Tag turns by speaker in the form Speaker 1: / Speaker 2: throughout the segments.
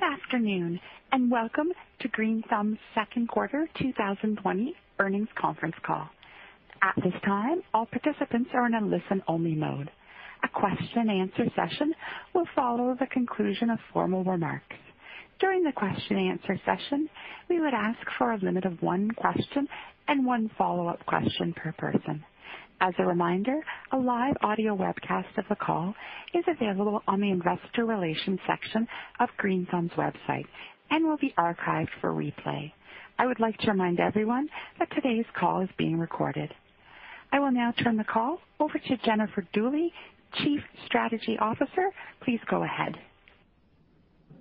Speaker 1: Good afternoon, and welcome to Green Thumb's second quarter 2020 earnings conference call. At this time, all participants are in a listen-only mode. A question and answer session will follow the conclusion of formal remarks. During the question and answer session, we would ask for a limit of one question and one follow-up question per person. As a reminder, a live audio webcast of the call is available on the investor relations section of Green Thumb's website and will be archived for replay. I would like to remind everyone that today's call is being recorded. I will now turn the call over to Jennifer Dooley, Chief Strategy Officer. Please go ahead.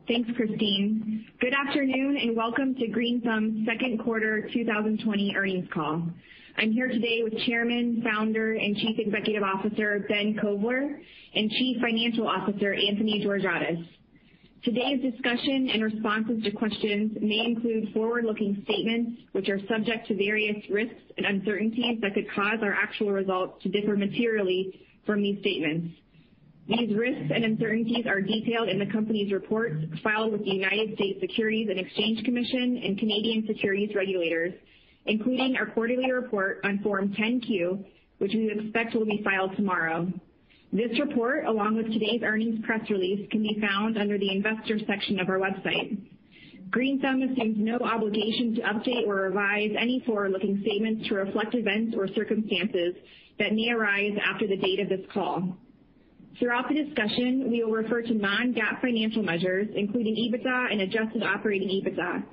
Speaker 2: Thanks, Christine. Good afternoon, and welcome to Green Thumb's second quarter 2020 earnings call. I'm here today with Chairman, Founder, and Chief Executive Officer, Ben Kovler, and Chief Financial Officer, Anthony Georgiadis. Today's discussion and responses to questions may include forward-looking statements which are subject to various risks and uncertainties that could cause our actual results to differ materially from these statements. These risks and uncertainties are detailed in the company's reports filed with the United States Securities and Exchange Commission and Canadian securities regulators, including our quarterly report on Form 10-Q, which we expect will be filed tomorrow. This report, along with today's earnings press release, can be found under the investor section of our website. Green Thumb assumes no obligation to update or revise any forward-looking statements to reflect events or circumstances that may arise after the date of this call. Throughout the discussion, we will refer to non-GAAP financial measures, including EBITDA and adjusted operating EBITDA.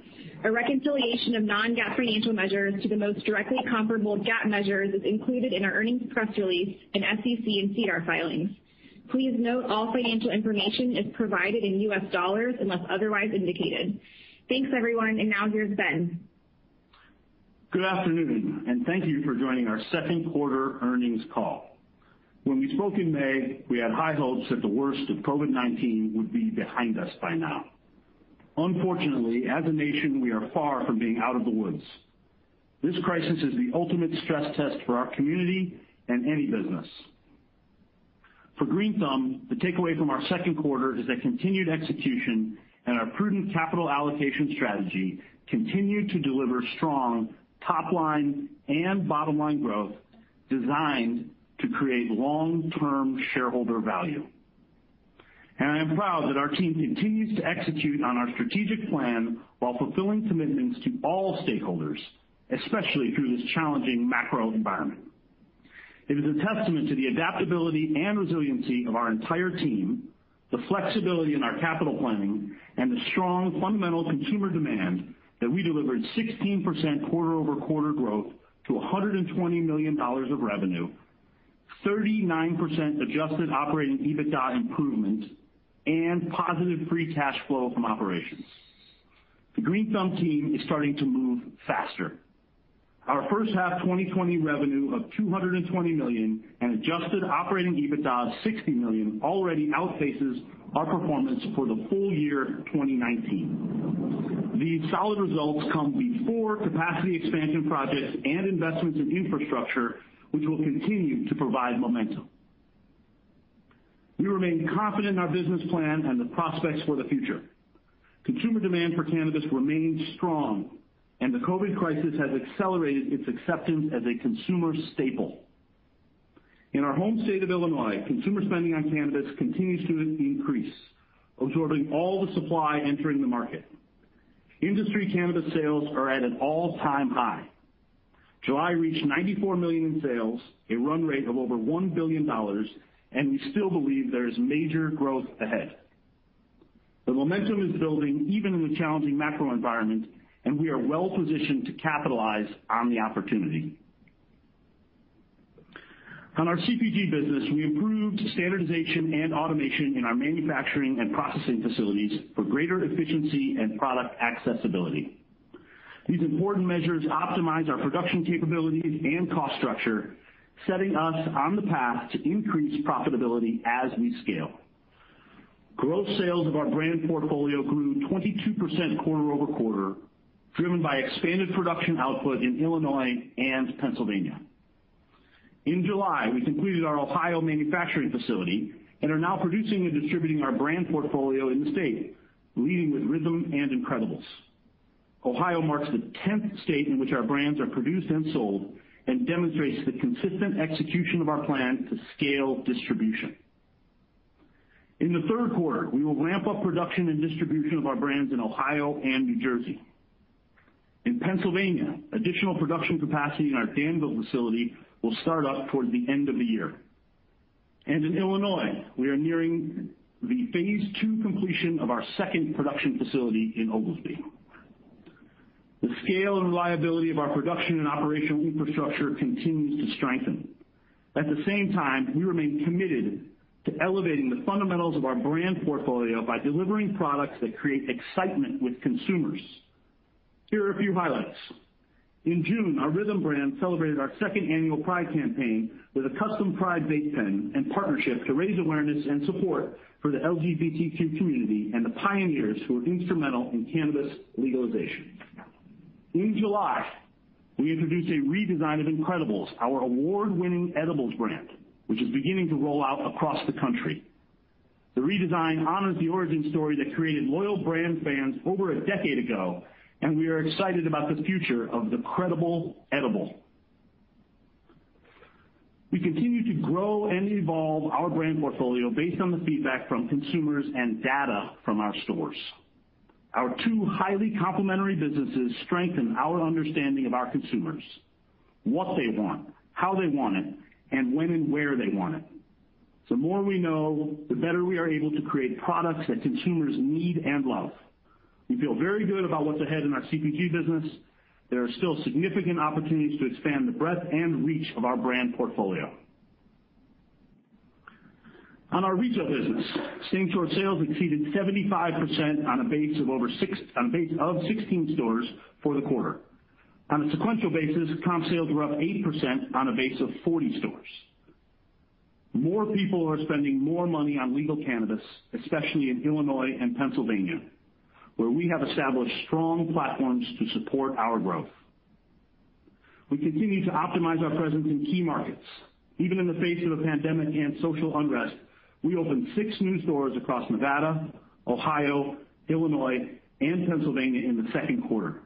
Speaker 2: A reconciliation of non-GAAP financial measures to the most directly comparable GAAP measures is included in our earnings press release and SEC and SEDAR filings. Please note all financial information is provided in U.S. dollars unless otherwise indicated. Thanks, everyone, and now here's Ben.
Speaker 3: Good afternoon, and thank you for joining our second quarter earnings call. When we spoke in May, we had high hopes that the worst of COVID-19 would be behind us by now. Unfortunately, as a nation, we are far from being out of the woods. This crisis is the ultimate stress test for our community and any business. For Green Thumb, the takeaway from our second quarter is that continued execution and our prudent capital allocation strategy continue to deliver strong top-line and bottom-line growth designed to create long-term shareholder value. I am proud that our team continues to execute on our strategic plan while fulfilling commitments to all stakeholders, especially through this challenging macro environment. It is a testament to the adaptability and resiliency of our entire team, the flexibility in our capital planning, and the strong fundamentals in consumer demand that we delivered 16% quarter-over-quarter growth to $120 million of revenue, 39% adjusted operating EBITDA improvement, and positive free cash flow from operations. The Green Thumb team is starting to move faster. Our first half 2020 revenue of $220 million and adjusted operating EBITDA of $60 million already outpaces our performance for the full year 2019. These solid results come before capacity expansion projects and investments in infrastructure, which will continue to provide momentum. We remain confident in our business plan and the prospects for the future. Consumer demand for cannabis remains strong, and the COVID crisis has accelerated its acceptance as a consumer staple. In our home state of Illinois, consumer spending on cannabis continues to increase, absorbing all the supply entering the market. Industry cannabis sales are at an all-time high. July reached $94 million in sales, a run rate of over $1 billion, and we still believe there is major growth ahead. The momentum is building even in the challenging macro environment, and we are well-positioned to capitalize on the opportunity. On our CPG business, we improved standardization and automation in our manufacturing and processing facilities for greater efficiency and product accessibility. These important measures optimize our production capabilities and cost structure, setting us on the path to increased profitability as we scale. Gross sales of our brand portfolio grew 22% quarter-over-quarter, driven by expanded production output in Illinois and Pennsylvania. In July, we completed our Ohio manufacturing facility and are now producing and distributing our brand portfolio in the state, leading with RYTHM and incredibles. Ohio marks the 10th state in which our brands are produced and sold and demonstrates the consistent execution of our plan to scale distribution. In the third quarter, we will ramp up production and distribution of our brands in Ohio and New Jersey. In Pennsylvania, additional production capacity in our Danville facility will start up toward the end of the year. In Illinois, we are nearing the phase 2 completion of our second production facility in Oglesby. The scale and reliability of our production and operational infrastructure continues to strengthen. At the same time, we remain committed to elevating the fundamentals of our brand portfolio by delivering products that create excitement with consumers. Here are a few highlights. In June, our RYTHM brand celebrated our second annual Pride campaign with a custom Pride vape pen and partnership to raise awareness and support for the LGBTQ community and the pioneers who were instrumental in cannabis legalization. In July, we introduced a redesign of incredibles, our award-winning edibles brand, which is beginning to roll out across the country. The redesign honors the origin story that created loyal brand fans over a decade ago, and we are excited about the future of the incredible edible. We continue to grow and evolve our brand portfolio based on the feedback from consumers and data from our stores. Our two highly complementary businesses strengthen our understanding of our consumers, what they want, how they want it, and when and where they want it. The more we know, the better we are able to create products that consumers need and love. We feel very good about what's ahead in our CPG business. There are still significant opportunities to expand the breadth and reach of our brand portfolio. On our retail business, same-store sales exceeded 75% on a base of 16 stores for the quarter. On a sequential basis, comp sales were up 80% on a base of 40 stores. More people are spending more money on legal cannabis, especially in Illinois and Pennsylvania, where we have established strong platforms to support our growth. We continue to optimize our presence in key markets. Even in the face of a pandemic and social unrest, we opened six new stores across Nevada, Ohio, Illinois, and Pennsylvania in the second quarter.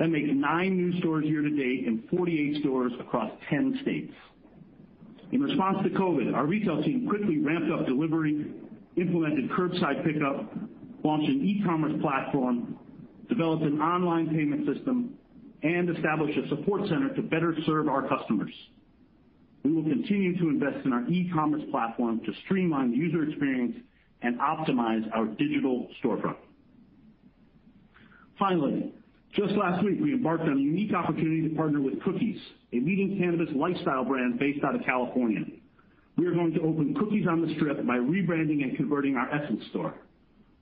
Speaker 3: That makes nine new stores year-to-date and 48 stores across 10 states. In response to COVID-19, our retail team quickly ramped up delivery, implemented curbside pickup, launched an e-commerce platform, developed an online payment system, and established a support center to better serve our customers. We will continue to invest in our e-commerce platform to streamline user experience and optimize our digital storefront. Finally, just last week, we embarked on a unique opportunity to partner with Cookies, a leading cannabis lifestyle brand based out of California. We are going to open Cookies on the Strip by rebranding and converting our Essence store.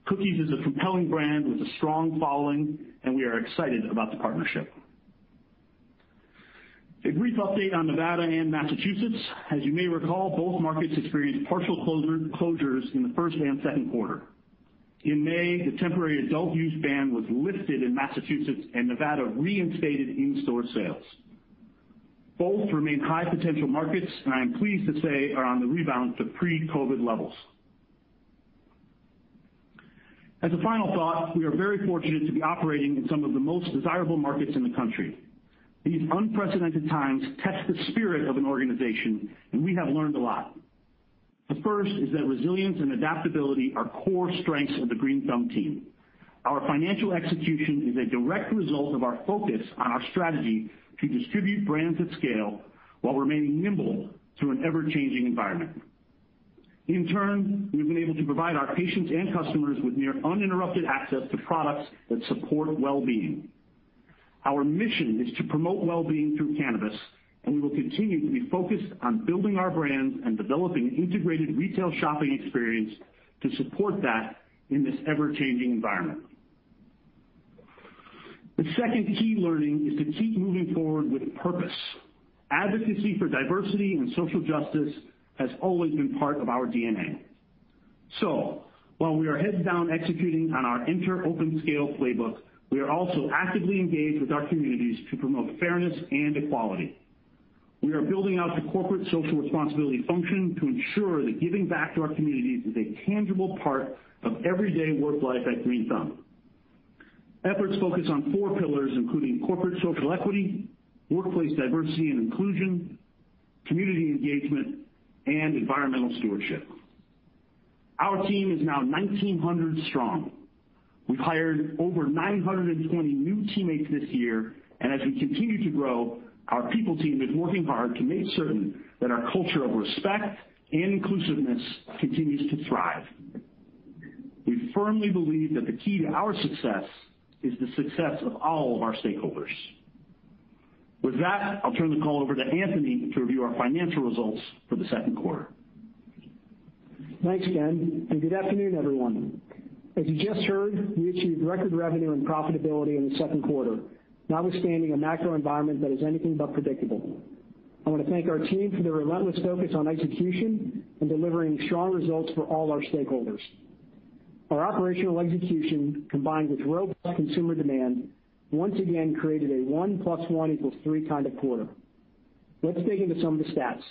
Speaker 3: Cookies is a compelling brand with a strong following, and we are excited about the partnership. A brief update on Nevada and Massachusetts. As you may recall, both markets experienced partial closures in the first and second quarter. In May, the temporary adult use ban was lifted in Massachusetts, and Nevada reinstated in-store sales. Both remain high potential markets, and I am pleased to say are on the rebound to pre-COVID levels. As a final thought, we are very fortunate to be operating in some of the most desirable markets in the country. These unprecedented times test the spirit of an organization, and we have learned a lot. The first is that resilience and adaptability are core strengths of the Green Thumb team. Our financial execution is a direct result of our focus on our strategy to distribute brands at scale while remaining nimble to an ever-changing environment. In turn, we've been able to provide our patients and customers with near uninterrupted access to products that support well-being. Our mission is to promote well-being through cannabis, and we will continue to be focused on building our brands and developing integrated retail shopping experience to support that in this ever-changing environment. The second key learning is to keep moving forward with purpose. Advocacy for diversity and social justice has always been part of our DNA. While we are heads down executing on our enter-open-scale playbook, we are also actively engaged with our communities to promote fairness and equality. We are building out the corporate social responsibility function to ensure that giving back to our communities is a tangible part of everyday work life at Green Thumb. Efforts focus on four pillars, including corporate social equity, workplace diversity and inclusion, community engagement, and environmental stewardship. Our team is now 1,900 strong. We've hired over 920 new teammates this year, as we continue to grow, our people team is working hard to make certain that our culture of respect and inclusiveness continues to thrive. We firmly believe that the key to our success is the success of all of our stakeholders. With that, I'll turn the call over to Anthony to review our financial results for the second quarter.
Speaker 4: Thanks, Ben. Good afternoon, everyone. As you just heard, we achieved record revenue and profitability in the second quarter, notwithstanding a macro environment that is anything but predictable. I want to thank our team for their relentless focus on execution and delivering strong results for all our stakeholders. Our operational execution, combined with robust consumer demand, once again created a one plus one equals three kind of quarter. Let's dig into some of the stats.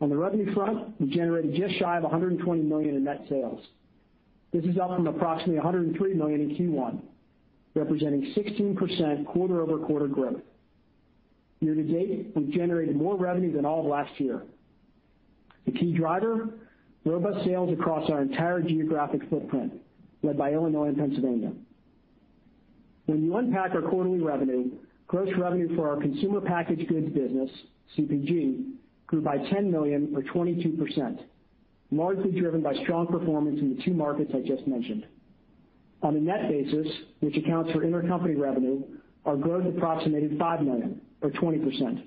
Speaker 4: On the revenue front, we generated just shy of $120 million in net sales. This is up from approximately $103 million in Q1, representing 16% quarter-over-quarter growth. Year-to-date, we've generated more revenue than all of last year. The key driver? Robust sales across our entire geographic footprint, led by Illinois and Pennsylvania. When you unpack our quarterly revenue, gross revenue for our consumer packaged goods business, CPG, grew by $10 million or 22%, largely driven by strong performance in the two markets I just mentioned. On a net basis, which accounts for intercompany revenue, our growth approximated $5 million or 20%.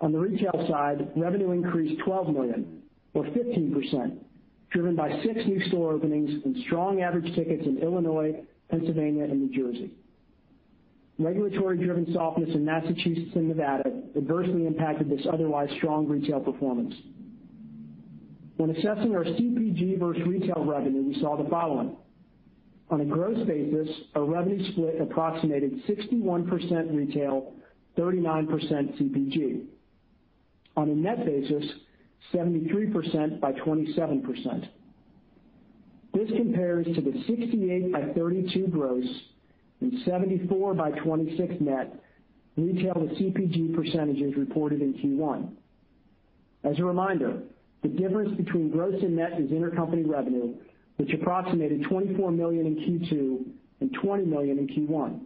Speaker 4: On the retail side, revenue increased $12 million or 15%, driven by six new store openings and strong average tickets in Illinois, Pennsylvania, and New Jersey. Regulatory-driven softness in Massachusetts and Nevada adversely impacted this otherwise strong retail performance. When assessing our CPG versus retail revenue, we saw the following. On a gross basis, our revenue split approximated 61% retail, 39% CPG. On a net basis, 73% by 27%. This compares to the 68 by 32 gross and 74 by 26 net retail to CPG percentages reported in Q1. As a reminder, the difference between gross and net is intercompany revenue, which approximated $24 million in Q2 and $20 million in Q1.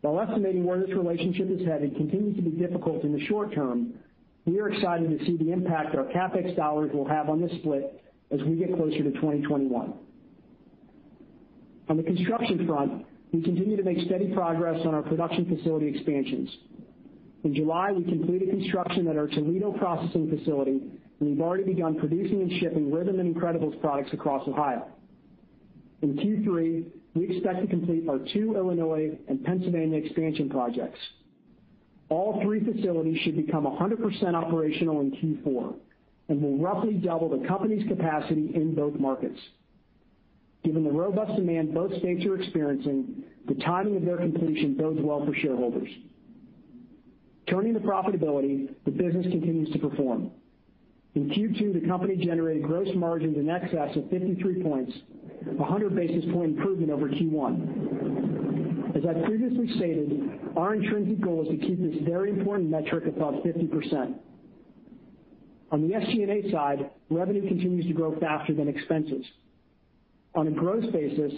Speaker 4: While estimating where this relationship is headed continues to be difficult in the short term, we are excited to see the impact our CapEx dollars will have on this split as we get closer to 2021. On the construction front, we continue to make steady progress on our production facility expansions. In July, we completed construction at our Toledo processing facility, and we've already begun producing and shipping RYTHM and incredibles products across Ohio. In Q3, we expect to complete our two Illinois and Pennsylvania expansion projects. All three facilities should become 100% operational in Q4 and will roughly double the company's capacity in both markets. Given the robust demand both states are experiencing, the timing of their completion bodes well for shareholders. Turning to profitability, the business continues to perform. In Q2, the company generated gross margins in excess of 53 points, a 100-basis point improvement over Q1. As I previously stated, our intrinsic goal is to keep this very important metric above 50%. On the SG&A side, revenue continues to grow faster than expenses. On a gross basis,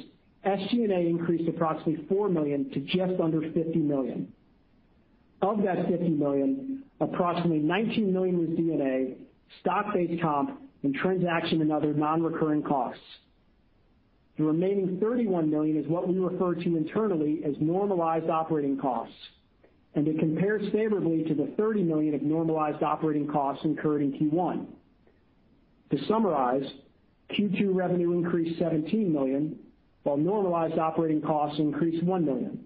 Speaker 4: SG&A increased approximately $4 million to just under $50 million. Of that $50 million, approximately $19 million was D&A, stock-based comp, and transaction and other non-recurring costs. The remaining $31 million is what we refer to internally as normalized operating costs, and it compares favorably to the $30 million of normalized operating costs incurred in Q1. To summarize, Q2 revenue increased $17 million while normalized operating costs increased $1 million.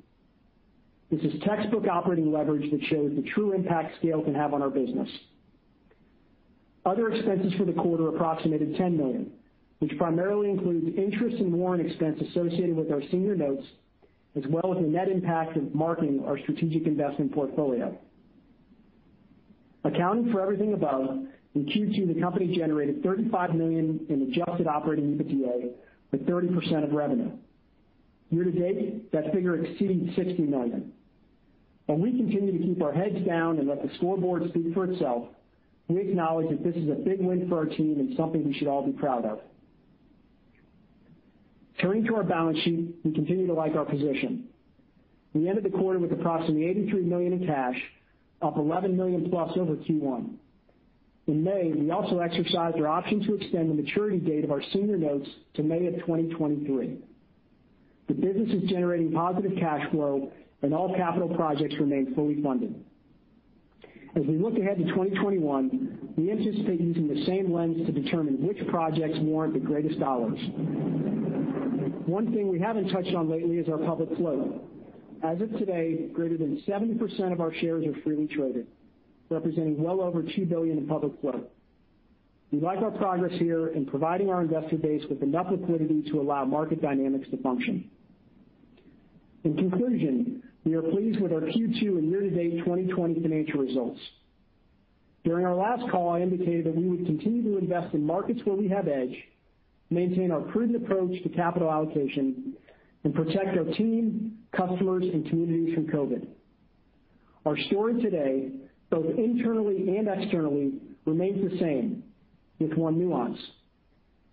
Speaker 4: This is textbook operating leverage that shows the true impact scale can have on our business. Other expenses for the quarter approximated $10 million, which primarily includes interest and warrant expense associated with our senior notes, as well as the net impact of marking our strategic investment portfolio. Accounting for everything above, in Q2, the company generated $35 million in adjusted operating EBITDA with 30% of revenue. Year to date, that figure exceeds $60 million. We continue to keep our heads down and let the scoreboard speak for itself. We acknowledge that this is a big win for our team and something we should all be proud of. Turning to our balance sheet, we continue to like our position. We ended the quarter with approximately $83 million in cash, up $11+ million over Q1. In May, we also exercised our option to extend the maturity date of our senior notes to May of 2023. The business is generating positive cash flow and all capital projects remain fully funded. As we look ahead to 2021, we anticipate using the same lens to determine which projects warrant the greatest dollars. One thing we haven't touched on lately is our public float. As of today, greater than 70% of our shares are freely traded, representing well over $2 billion in public float. We like our progress here in providing our investor base with enough liquidity to allow market dynamics to function. In conclusion, we are pleased with our Q2 and year-to-date 2020 financial results. During our last call, I indicated that we would continue to invest in markets where we have edge, maintain our prudent approach to capital allocation, and protect our team, customers, and communities from COVID-19. Our story today, both internally and externally, remains the same with one nuance.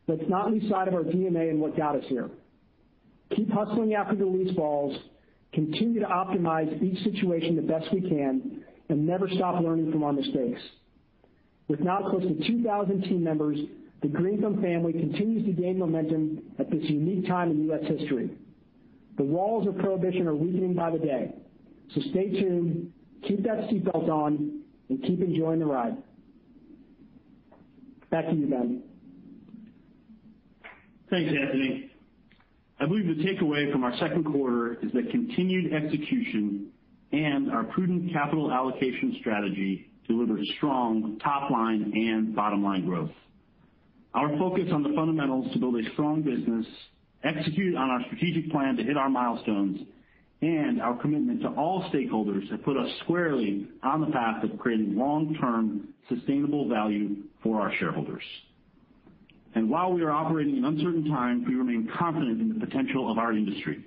Speaker 4: Let's not lose sight of our D&A and what got us here. Keep hustling after the loose balls, continue to optimize each situation the best we can, and never stop learning from our mistakes. With now close to 2,000 team members, the Green Thumb family continues to gain momentum at this unique time in U.S. history. Stay tuned, keep that seatbelt on, and keep enjoying the ride. Back to you, Ben.
Speaker 3: Thanks, Anthony. I believe the takeaway from our second quarter is that continued execution and our prudent capital allocation strategy delivered a strong top-line and bottom-line growth. Our focus on the fundamentals to build a strong business, execute on our strategic plan to hit our milestones, and our commitment to all stakeholders have put us squarely on the path of creating long-term sustainable value for our shareholders. While we are operating in uncertain times, we remain confident in the potential of our industry.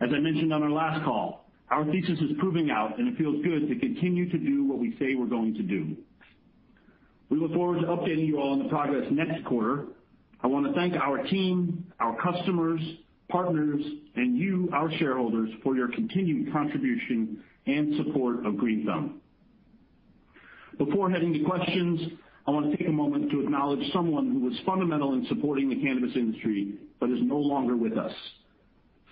Speaker 3: As I mentioned on our last call, our thesis is proving out, and it feels good to continue to do what we say we're going to do. We look forward to updating you all on the progress next quarter. I want to thank our team, our customers, partners, and you, our shareholders, for your continued contribution and support of Green Thumb. Before heading to questions, I want to take a moment to acknowledge someone who was fundamental in supporting the cannabis industry but is no longer with us.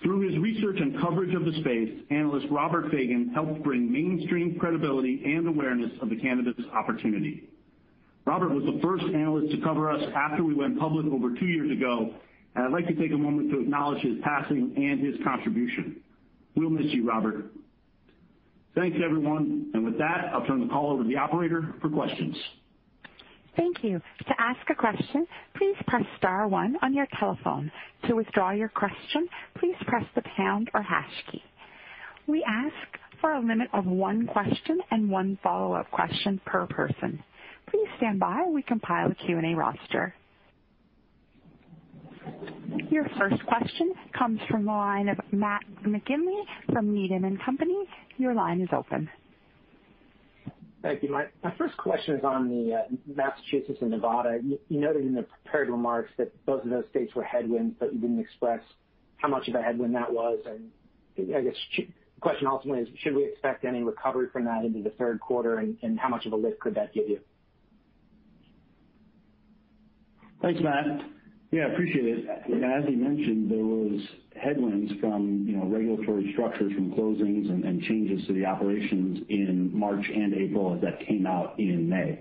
Speaker 3: Through his research and coverage of the space, analyst Robert Fagan helped bring mainstream credibility and awareness of the cannabis opportunity. Robert was the first analyst to cover us after we went public over two years ago, and I'd like to take a moment to acknowledge his passing and his contribution. We'll miss you, Robert. Thanks, everyone. With that, I'll turn the call over to the operator for questions.
Speaker 1: Thank you. To ask a question, please press star one on your telephone. To withdraw your question, please press the pound or hash key. We ask for a limit of one question and one follow-up question per person. Please stand by while we compile a Q&A roster. Your first question comes from the line of Matt McGinley from Needham & Company. Your line is open.
Speaker 5: Thank you. My first question is on the Massachusetts and Nevada. You noted in the prepared remarks that both of those states were headwinds. You didn't express how much of a headwind that was. I guess, the question ultimately is, should we expect any recovery from that into the third quarter, and how much of a lift could that give you?
Speaker 3: Thanks, Matt. Yeah, appreciate it. As you mentioned, there was headwinds from regulatory structures from closings and changes to the operations in March and April as that came out in May.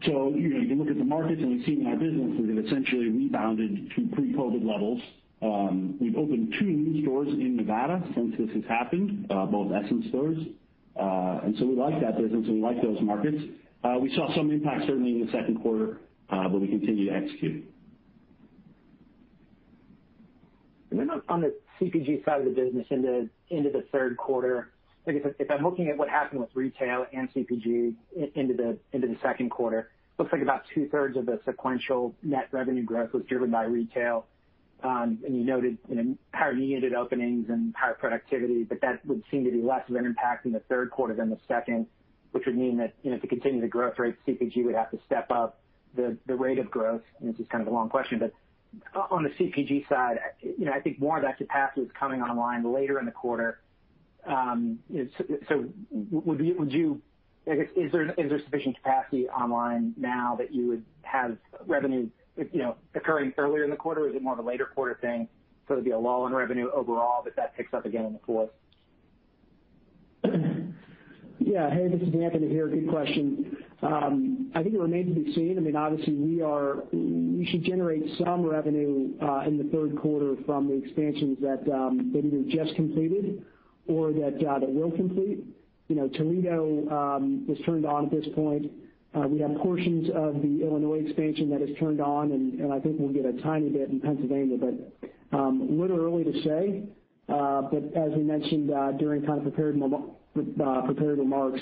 Speaker 3: You can look at the markets, and we've seen our business has essentially rebounded to pre-COVID levels. We've opened two new stores in Nevada since this has happened, both Essence stores. We like that business and we like those markets. We saw some impact certainly in the second quarter, but we continue to execute.
Speaker 5: On the CPG side of the business into the third quarter, I guess if I'm looking at what happened with retail and CPG into the second quarter, looks like about two-thirds of the sequential net revenue growth was driven by retail. You noted higher unit openings and higher productivity, but that would seem to be less of an impact in the third quarter than the second, which would mean that to continue the growth rate, CPG would have to step up the rate of growth. This is kind of a long question, but on the CPG side, I think more of that capacity is coming online later in the quarter. Is there sufficient capacity online now that you would have revenue occurring earlier in the quarter? Or is it more of a later quarter thing? It'd be a lull in revenue overall, but that picks up again in the fourth.
Speaker 4: Yeah. Hey, this is Anthony here. Good question. I think it remains to be seen. Obviously, we should generate some revenue in the third quarter from the expansions that either just completed or that will complete. Toledo is turned on at this point. We have portions of the Illinois expansion that is turned on, and I think we'll get a tiny bit in Pennsylvania. A little early to say, but as we mentioned during prepared remarks,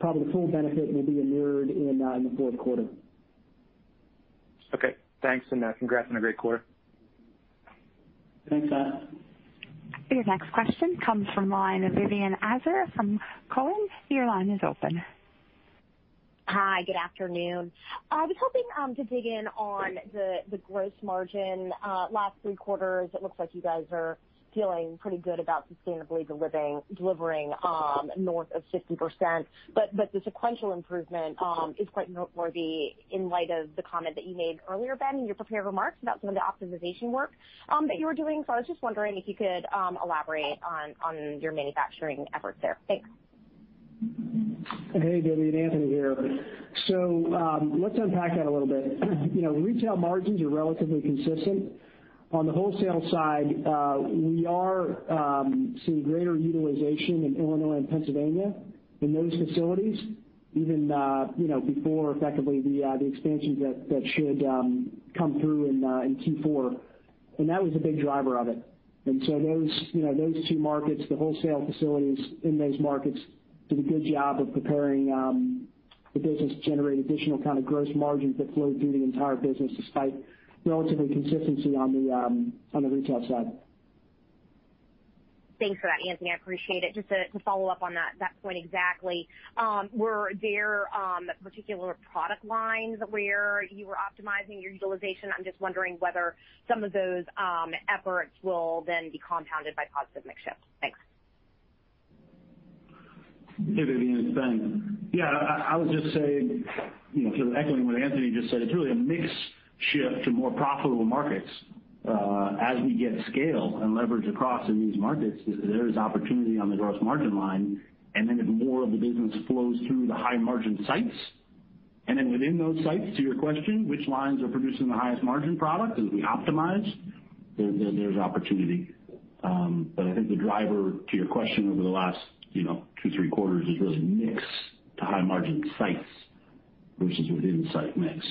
Speaker 4: probably the full benefit will be mirrored in the fourth quarter.
Speaker 5: Okay, thanks, and congrats on a great quarter.
Speaker 4: Thanks, Matt.
Speaker 1: Your next question comes from the line of Vivien Azer from Cowen. Your line is open.
Speaker 6: Hi, good afternoon. I was hoping to dig in on the gross margin. Last three quarters, it looks like you guys are feeling pretty good about sustainably delivering north of 50%, but the sequential improvement is quite noteworthy in light of the comment that you made earlier, Ben, in your prepared remarks about some of the optimization work that you were doing. I was just wondering if you could elaborate on your manufacturing efforts there. Thanks.
Speaker 4: Hey, Vivien, Anthony here. Let's unpack that a little bit. Retail margins are relatively consistent. On the wholesale side, we are seeing greater utilization in Illinois and Pennsylvania in those facilities, even before effectively the expansions that should come through in Q4. That was a big driver of it. Those two markets, the wholesale facilities in those markets, did a good job of preparing the business to generate additional kind of gross margins that flowed through the entire business despite relatively consistency on the retail side.
Speaker 6: Thanks for that, Anthony. I appreciate it. Just to follow up on that point exactly, were there particular product lines where you were optimizing your utilization? I'm just wondering whether some of those efforts will then be compounded by positive mix shift. Thanks.
Speaker 3: Hey, Vivien, it's Ben. Yeah, I would just say, sort of echoing what Anthony just said, it's really a mix shift to more profitable markets. As we get scale and leverage across in these markets, there is opportunity on the gross margin line. Then if more of the business flows through the high margin sites, and then within those sites, to your question, which lines are producing the highest margin product as we optimize, there's opportunity. I think the driver to your question over the last two, three quarters is really mix to high margin sites versus within site mix.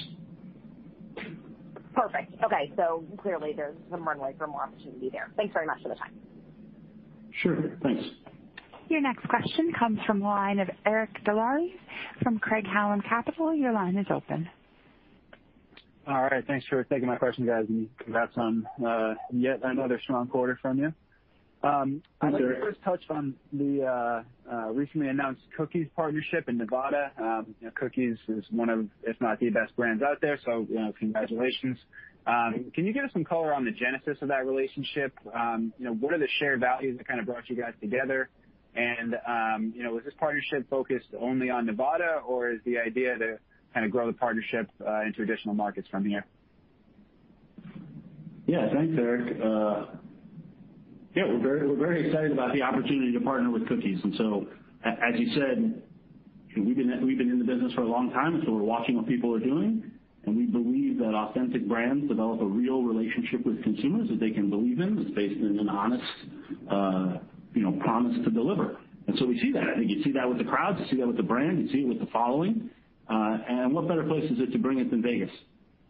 Speaker 6: Perfect. Okay. Clearly there's some runway for more opportunity there. Thanks very much for the time.
Speaker 3: Sure. Thanks.
Speaker 1: Your next question comes from the line of Eric Des Lauriers from Craig-Hallum Capital. Your line is open.
Speaker 7: All right. Thanks for taking my question, guys, and congrats on yet another strong quarter from you.
Speaker 3: Sure.
Speaker 7: I'm wondering, I first touched on the recently announced Cookies partnership in Nevada. Cookies is one of, if not the best brands out there. Congratulations. Can you give us some color on the genesis of that relationship? What are the shared values that brought you guys together? Was this partnership focused only on Nevada, or is the idea to grow the partnership into additional markets from here?
Speaker 3: Yeah. Thanks, Eric. We're very excited about the opportunity to partner with Cookies. As you said, we've been in the business for a long time, so we're watching what people are doing, and we believe that authentic brands develop a real relationship with consumers that they can believe in, that's based in an honest promise to deliver. We see that. I think you see that with the crowds, you see that with the brand, you see it with the following. What better place is it to bring it than Vegas?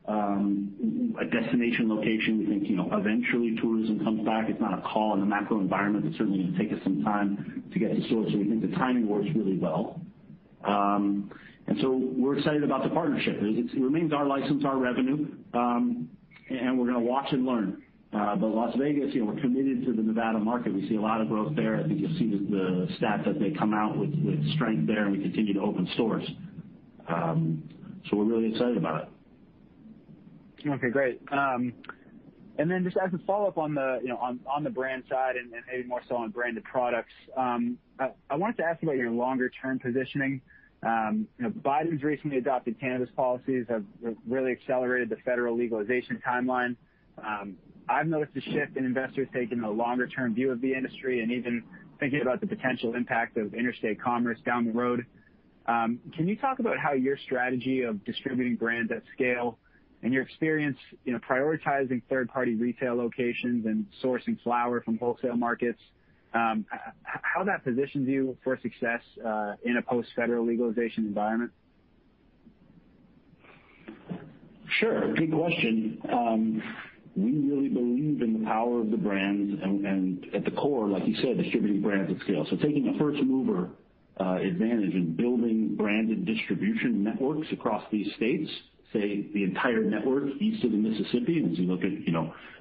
Speaker 3: A destination location. We think, eventually tourism comes back. It's not a call in the macro environment. It's certainly going to take us some time to get to sort. We think the timing works really well. We're excited about the partnership. It remains our license, our revenue, and we're going to watch and learn. Las Vegas, we're committed to the Nevada market. We see a lot of growth there. I think you'll see the stats as they come out with strength there, and we continue to open stores. We're really excited about it.
Speaker 7: Okay, great. Just as a follow-up on the brand side and maybe more so on branded products, I wanted to ask about your longer-term positioning. Biden's recently adopted cannabis policies have really accelerated the federal legalization timeline. I've noticed a shift in investors taking a longer-term view of the industry and even thinking about the potential impact of interstate commerce down the road. Can you talk about how your strategy of distributing brands at scale and your experience prioritizing third-party retail locations and sourcing flower from wholesale markets, how that positions you for success in a post-federal legalization environment?
Speaker 3: Sure. Good question. We really believe in the power of the brands and at the core, like you said, distributing brands at scale. Taking a first-mover advantage in building branded distribution networks across these states, say, the entire network east of the Mississippi, and as you look at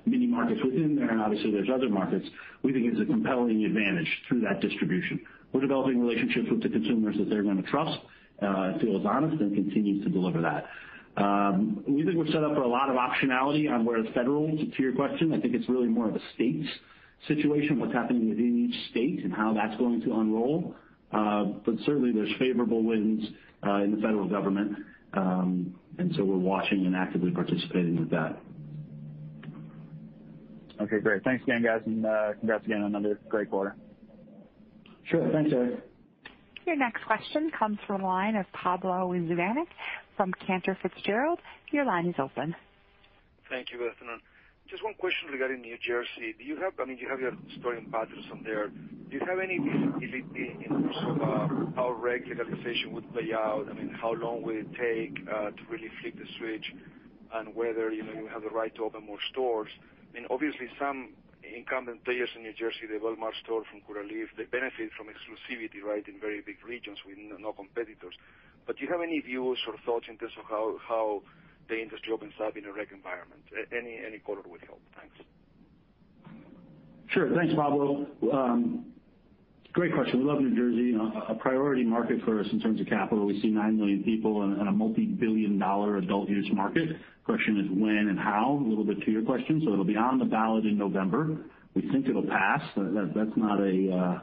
Speaker 3: mini markets within there, and obviously there's other markets, we think it's a compelling advantage through that distribution. We're developing relationships with the consumers that they're going to trust, it feels honest, and continues to deliver that. We think we're set up for a lot of optionality on where the federal, to your question, I think it's really more of a states situation, what's happening within each state and how that's going to unroll. Certainly, there's favorable winds in the federal government, and so we're watching and actively participating with that.
Speaker 7: Okay, great. Thanks again, guys, and congrats again on another great quarter.
Speaker 3: Sure. Thanks, Eric.
Speaker 1: Your next question comes from the line of Pablo Zuanic from Cantor Fitzgerald. Your line is open.
Speaker 8: Thank you, Ben. Just one question regarding New Jersey. You have your store in Paterson there. Do you have any visibility in terms of how rec legalization would play out? I mean, how long will it take to really flip the switch and whether you have the right to open more stores? I mean, obviously some incumbent players in New Jersey, the Walmart store from Curaleaf, they benefit from exclusivity in very big regions with no competitors. Do you have any views or thoughts in terms of how the industry opens up in a rec environment? Any color would help. Thanks.
Speaker 3: Sure. Thanks, Pablo. Great question. We love New Jersey, a priority market for us in terms of capital. We see nine million people and a multi-billion-dollar adult-use market. Question is when and how, a little bit to your question. It'll be on the ballot in November. We think it'll pass. That's not a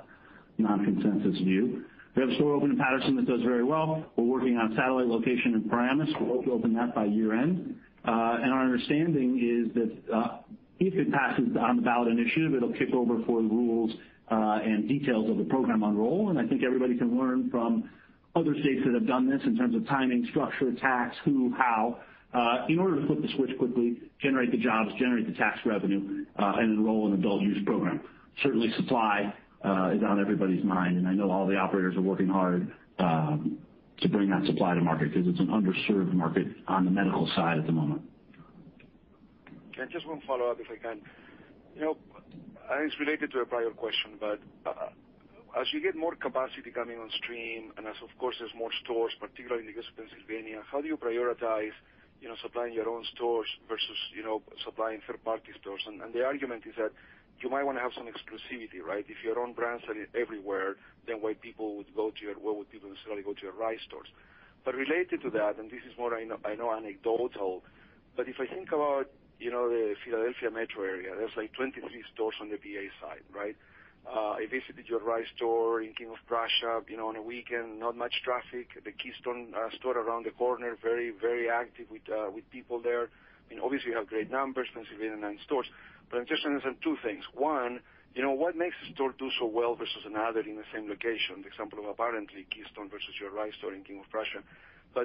Speaker 3: non-consensus view. We have a store open in Paterson that does very well. We're working on a satellite location in Paramus. We hope to open that by year-end. Our understanding is that if it passes on the ballot initiative, it'll kick over for rules and details of the program unroll, and I think everybody can learn from other states that have done this in terms of timing, structure, tax, who, how, in order to flip the switch quickly, generate the jobs, generate the tax revenue, and enroll an adult use program. Certainly, supply is on everybody's mind, and I know all the operators are working hard to bring that supply to market because it's an underserved market on the medical side at the moment.
Speaker 8: Okay. Just one follow-up, if I can. It's related to a prior question, but as you get more capacity coming on stream and as, of course, there's more stores, particularly in the case of Pennsylvania, how do you prioritize supplying your own stores versus supplying third-party stores? The argument is that you might want to have some exclusivity, right? If your own brands are everywhere, then why would people necessarily go to your RISE stores? Related to that, and this is more I know anecdotal, but if I think about the Philadelphia metro area, there's like 23 stores on the P.A. side, right? I visited your RISE store in King of Prussia, on a weekend, not much traffic. The Keystone store around the corner, very active with people there. Obviously, you have great numbers, Pennsylvania, nine stores. I'm just interested in two things. One, what makes a store do so well versus another in the same location? The example of apparently Keystone versus your RISE store in King of Prussia.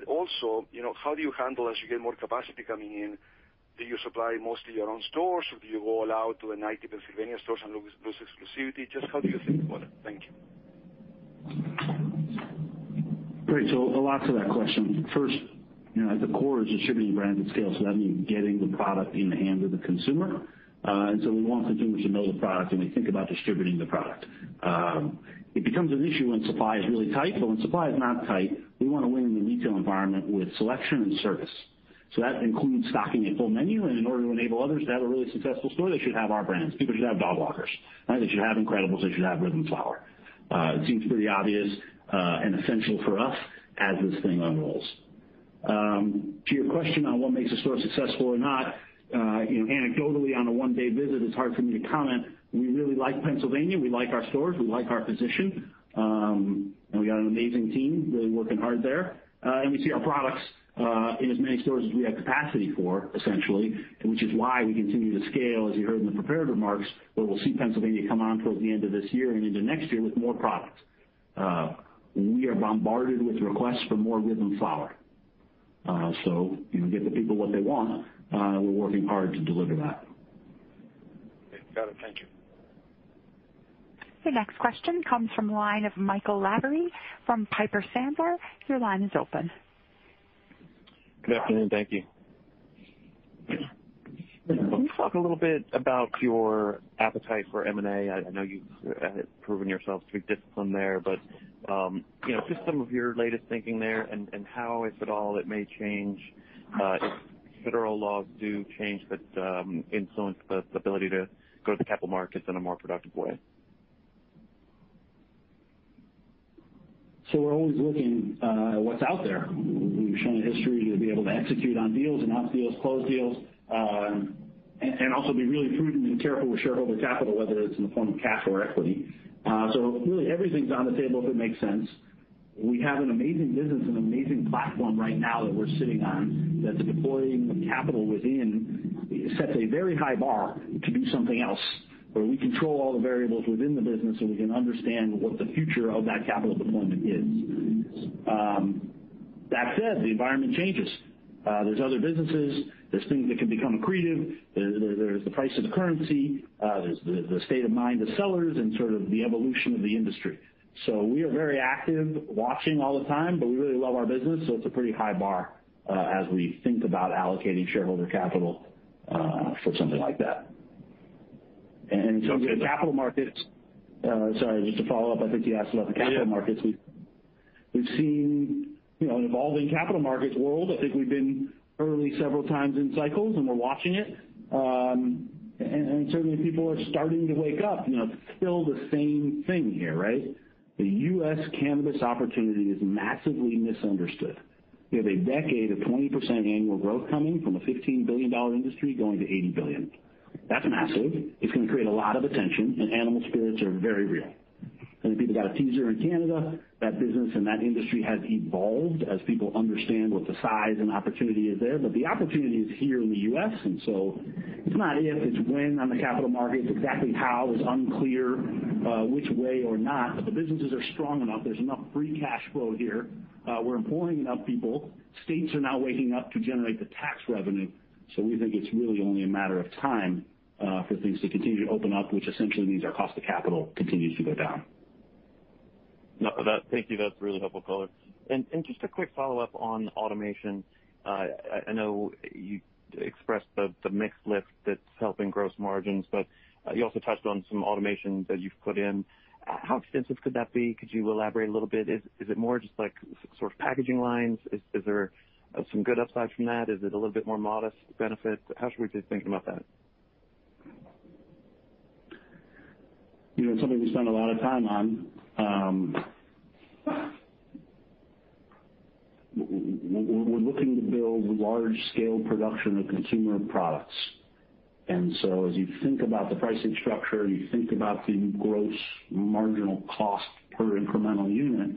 Speaker 8: Also, how do you handle as you get more capacity coming in? Do you supply mostly your own stores? Do you go all out to the 90 Pennsylvania stores and lose exclusivity? Just how do you think about it? Thank you.
Speaker 3: Great. A lot to that question. First, at the core is distributing brands at scale. That means getting the product in the hand of the consumer. We want consumers to know the product, and we think about distributing the product. It becomes an issue when supply is really tight, but when supply is not tight, we want to win in the retail environment with selection and service. That includes stocking a full menu, and in order to enable others to have a really successful store, they should have our brands. People should have Dogwalkers, right? They should have incredibles, they should have RYTHM flower. It seems pretty obvious, and essential for us as this thing unrolls. To your question on what makes a store successful or not, anecdotally, on a one-day visit, it's hard for me to comment. We really like Pennsylvania. We like our stores. We like our position. We got an amazing team really working hard there. We see our products in as many stores as we have capacity for, essentially, which is why we continue to scale, as you heard in the prepared remarks, where we'll see Pennsylvania come on towards the end of this year and into next year with more products. We are bombarded with requests for more RYTHM flower. Give the people what they want. We're working hard to deliver that.
Speaker 8: Got it. Thank you.
Speaker 1: The next question comes from the line of Michael Lavery from Piper Sandler. Your line is open.
Speaker 9: Good afternoon. Thank you. Can you talk a little bit about your appetite for M&A? I know you've proven yourself to be disciplined there, but just some of your latest thinking there and how, if at all, it may change if federal laws do change that influence the ability to go to the capital markets in a more productive way.
Speaker 3: We're always looking at what's out there. We've shown a history to be able to execute on deals, announce deals, close deals, and also be really prudent and careful with shareholder capital, whether it's in the form of cash or equity. Really, everything's on the table if it makes sense. We have an amazing business and amazing platform right now that we're sitting on, that deploying the capital within sets a very high bar to do something else, where we control all the variables within the business, and we can understand what the future of that capital deployment is. That said, the environment changes. There's other businesses, there's things that can become accretive, there's the price of the currency, there's the state of mind of sellers and the evolution of the industry. We are very active, watching all the time, but we really love our business, so it's a pretty high bar as we think about allocating shareholder capital for something like that. Sorry, just to follow up, I think you asked about the capital markets.
Speaker 9: Yeah.
Speaker 3: We've seen an evolving capital markets world. I think we've been early several times in cycles, and we're watching it. Certainly, people are starting to wake up. It's still the same thing here, right? The U.S. cannabis opportunity is massively misunderstood. We have a decade of 20% annual growth coming from a $15 billion industry going to $80 billion. That's massive. It's going to create a lot of attention, and animal spirits are very real. Then people got a teaser in Canada. That business and that industry has evolved as people understand what the size and opportunity is there. The opportunity is here in the U.S., and so it's not if, it's when on the capital markets. Exactly how is unclear. Which way or not, but the businesses are strong enough. There's enough free cash flow here. We're employing enough people. States are now waking up to generate the tax revenue. We think it's really only a matter of time for things to continue to open up, which essentially means our cost of capital continues to go down.
Speaker 9: No, thank you. That's really helpful color. Just a quick follow-up on automation. I know you expressed the mix lift that's helping gross margins, but you also touched on some automation that you've put in. How extensive could that be? Could you elaborate a little bit? Is it more just like sort of packaging lines? Is there some good upside from that? Is it a little bit more modest benefit? How should we be thinking about that?
Speaker 3: It's something we spend a lot of time on. We're looking to build large-scale production of consumer products. As you think about the pricing structure, you think about the gross marginal cost per incremental unit,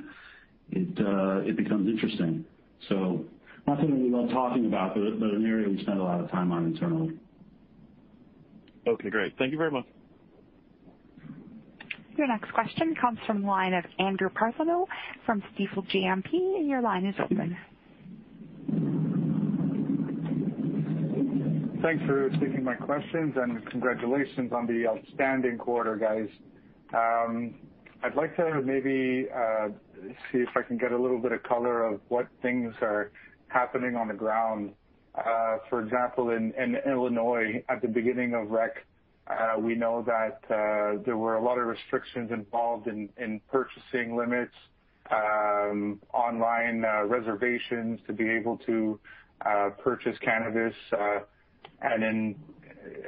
Speaker 3: it becomes interesting. Not something we love talking about, but an area we spend a lot of time on internally.
Speaker 9: Okay, great. Thank you very much.
Speaker 1: Your next question comes from the line of Andrew Partheniou from Stifel GMP, and your line is open.
Speaker 10: Thanks for taking my questions, congratulations on the outstanding quarter, guys. I'd like to maybe see if I can get a little bit of color of what things are happening on the ground. For example, in Illinois, at the beginning of rec, we know that there were a lot of restrictions involved in purchasing limits, online reservations to be able to purchase cannabis. Then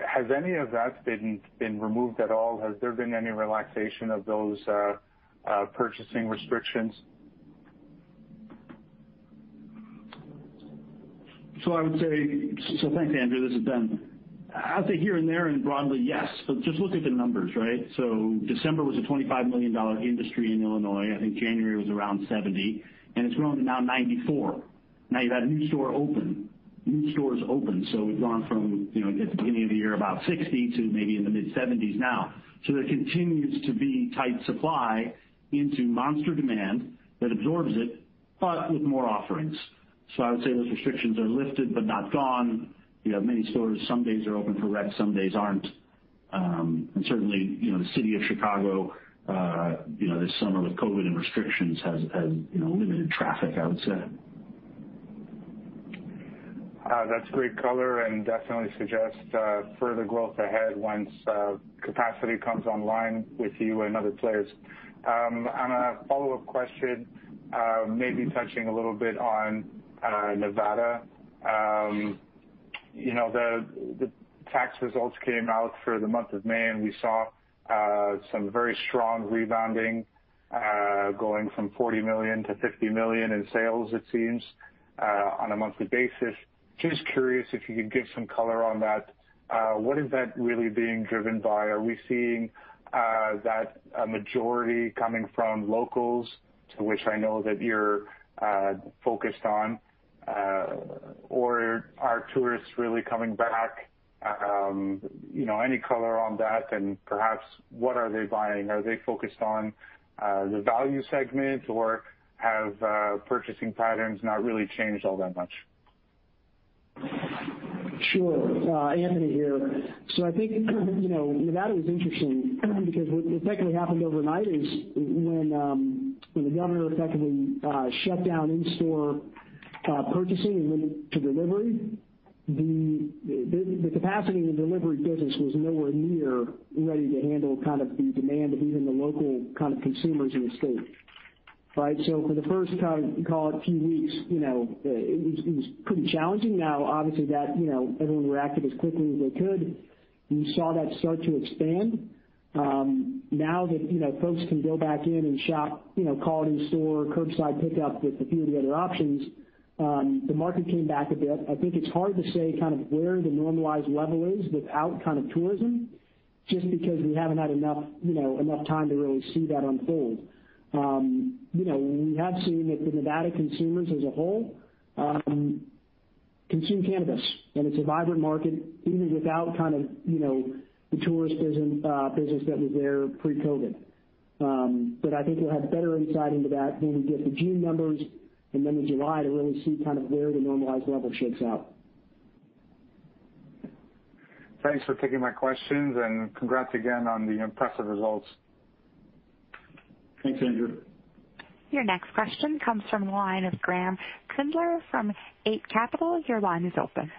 Speaker 10: has any of that been removed at all? Has there been any relaxation of those purchasing restrictions?
Speaker 3: I would say thanks, Andrew. This is Ben. I would say here and there, and broadly, yes. Just look at the numbers, right? December was a $25 million industry in Illinois. I think January was around $70 million, and it's grown to now $94 million. Now you've had new stores open. We've gone from, at the beginning of the year, about 60 to maybe in the mid-70s now. There continues to be tight supply into monster demand that absorbs it, but with more offerings. I would say those restrictions are lifted but not gone. You have many stores. Some days are open for rec, some days aren't. Certainly, the City of Chicago, this summer with COVID-19 and restrictions has limited traffic, I would say.
Speaker 10: That's great color and definitely suggests further growth ahead once capacity comes online with you and other players. On a follow-up question, maybe touching a little bit on Nevada. The tax results came out for the month of May, and we saw some very strong rebounding, going from $40 million to $50 million in sales, it seems, on a monthly basis. Just curious if you could give some color on that. What is that really being driven by? Are we seeing that a majority coming from locals, to which I know that you're focused on? Are tourists really coming back? Any color on that, and perhaps what are they buying? Are they focused on the value segment, or have purchasing patterns not really changed all that much?
Speaker 4: Sure. Anthony here. I think, Nevada was interesting because what effectively happened overnight is when the governor effectively shut down in-store purchasing and limited to delivery, the capacity in the delivery business was nowhere near ready to handle the demand of even the local consumers in the state. Right? For the first, call it, few weeks, it was pretty challenging. Right? Now, obviously, everyone reacted as quickly as they could. We saw that start to expand. Now that folks can go back in and shop, call it in-store, curbside pickup with a few of the other options, the market came back a bit. I think it's hard to say where the normalized level is without tourism, just because we haven't had enough time to really see that unfold. We have seen that the Nevada consumers as a whole consume cannabis, and it's a vibrant market even without the tourism business that was there pre-COVID. I think we'll have better insight into that when we get the June numbers and then the July to really see where the normalized level shakes out.
Speaker 10: Thanks for taking my questions, and congrats again on the impressive results.
Speaker 4: Thanks, Andrew.
Speaker 1: Your next question comes from the line of Graeme Kreindler from Eight Capital. Your line is open.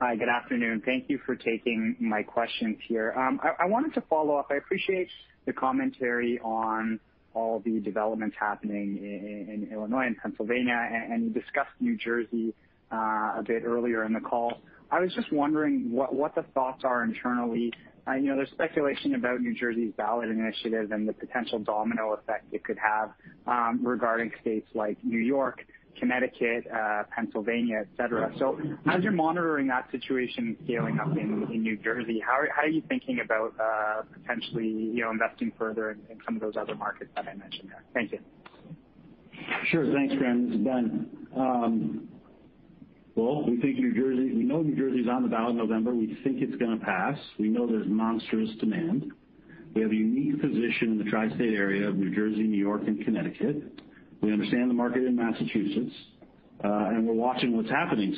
Speaker 11: Hi, good afternoon. Thank you for taking my questions here. I wanted to follow up. I appreciate the commentary on all the developments happening in Illinois and Pennsylvania. You discussed New Jersey a bit earlier in the call. I was just wondering what the thoughts are internally. There's speculation about New Jersey's ballot initiative and the potential domino effect it could have regarding states like New York, Connecticut, Pennsylvania, et cetera. As you're monitoring that situation scaling up in New Jersey, how are you thinking about potentially investing further in some of those other markets that I mentioned there? Thank you.
Speaker 3: Thanks, Graeme. This is Ben. We know New Jersey is on the ballot in November. We think it's going to pass. We know there's monstrous demand. We have a unique position in the tri-state area of New Jersey, New York and Connecticut. We understand the market in Massachusetts. We're watching what's happening.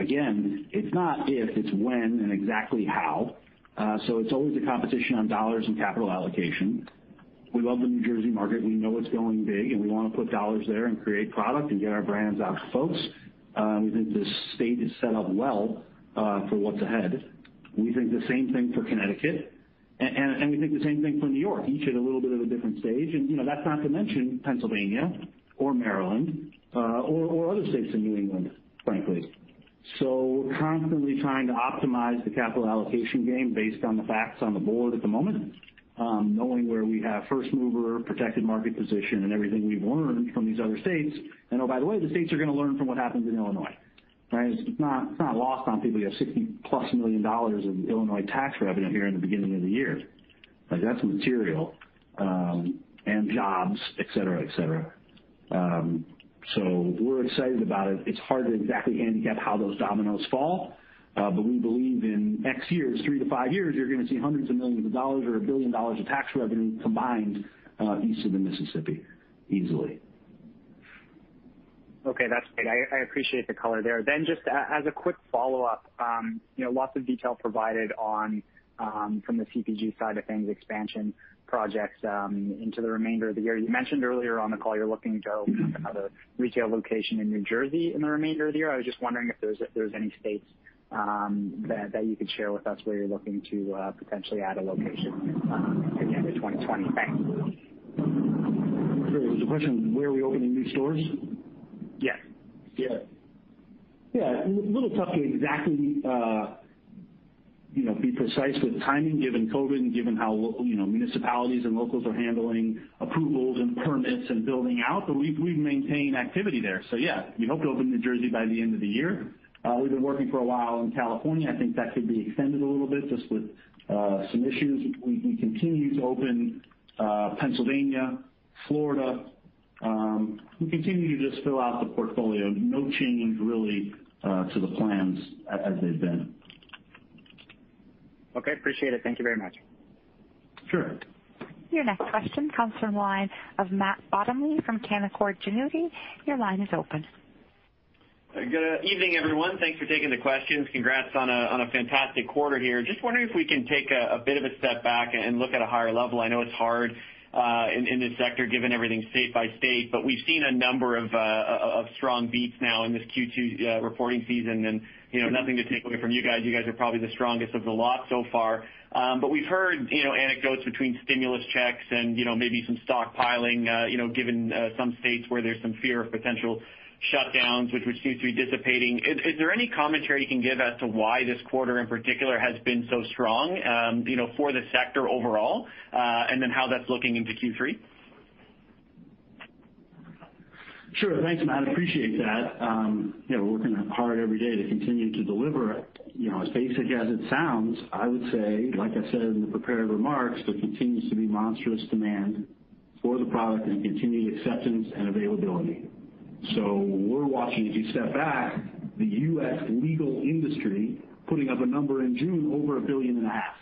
Speaker 3: Again, it's not if, it's when and exactly how. It's always a competition on dollars and capital allocation. We love the New Jersey market, and we know it's going big, and we want to put dollars there and create product and get our brands out to folks. We think the state is set up well for what's ahead. We think the same thing for Connecticut, and we think the same thing for New York, each at a little bit of a different stage. That's not to mention Pennsylvania or Maryland, or other states in New England, frankly. We're constantly trying to optimize the capital allocation game based on the facts on the board at the moment, knowing where we have first-mover protected market position and everything we've learned from these other states. Oh, by the way, the states are going to learn from what happens in Illinois. Right? It's not lost on people. You have $60+ million of Illinois tax revenue here in the beginning of the year. That's material, and jobs, et cetera. We're excited about it. It's hard to exactly handicap how those dominoes fall. We believe in X years, three to five years, you're going to see hundreds of millions of dollars or $1 billion of tax revenue combined east of the Mississippi, easily.
Speaker 11: Okay. That's great. I appreciate the color there. Just as a quick follow-up, lots of detail provided from the CPG side of things, expansion projects into the remainder of the year. You mentioned earlier on the call you're looking to open another retail location in New Jersey in the remainder of the year. I was just wondering if there's any states that you could share with us where you're looking to potentially add a location in the end of 2020. Thanks.
Speaker 3: Sure. Was the question where are we opening new stores?
Speaker 11: Yes.
Speaker 3: Yeah. A little tough to exactly be precise with timing given COVID and given how municipalities and locals are handling approvals and permits and building out. We maintain activity there. Yeah, we hope to open New Jersey by the end of the year. We've been working for a while in California. I think that could be extended a little bit just with some issues. We continue to open Pennsylvania, Florida. We continue to just fill out the portfolio. No change really to the plans as they've been.
Speaker 11: Okay. Appreciate it. Thank you very much.
Speaker 3: Sure.
Speaker 1: Your next question comes from the line of Matt Bottomley from Canaccord Genuity. Your line is open.
Speaker 12: Good evening, everyone. Thanks for taking the questions. Congrats on a fantastic quarter here. Just wondering if we can take a bit of a step back and look at a higher level. I know it's hard in this sector given everything state by state. We've seen a number of strong beats now in this Q2 reporting season, and nothing to take away from you guys. You guys are probably the strongest of the lot so far. We've heard anecdotes between stimulus checks and maybe some stockpiling given some states where there's some fear of potential shutdowns, which would seem to be dissipating. Is there any commentary you can give as to why this quarter in particular has been so strong for the sector overall, and then how that's looking into Q3?
Speaker 3: Thanks, Matt. I appreciate that. We're working hard every day to continue to deliver. As basic as it sounds, I would say, like I said in the prepared remarks, there continues to be monstrous demand for the product and continued acceptance and availability. We're watching, as you step back, the U.S. legal industry putting up a number in June over a billion and a half.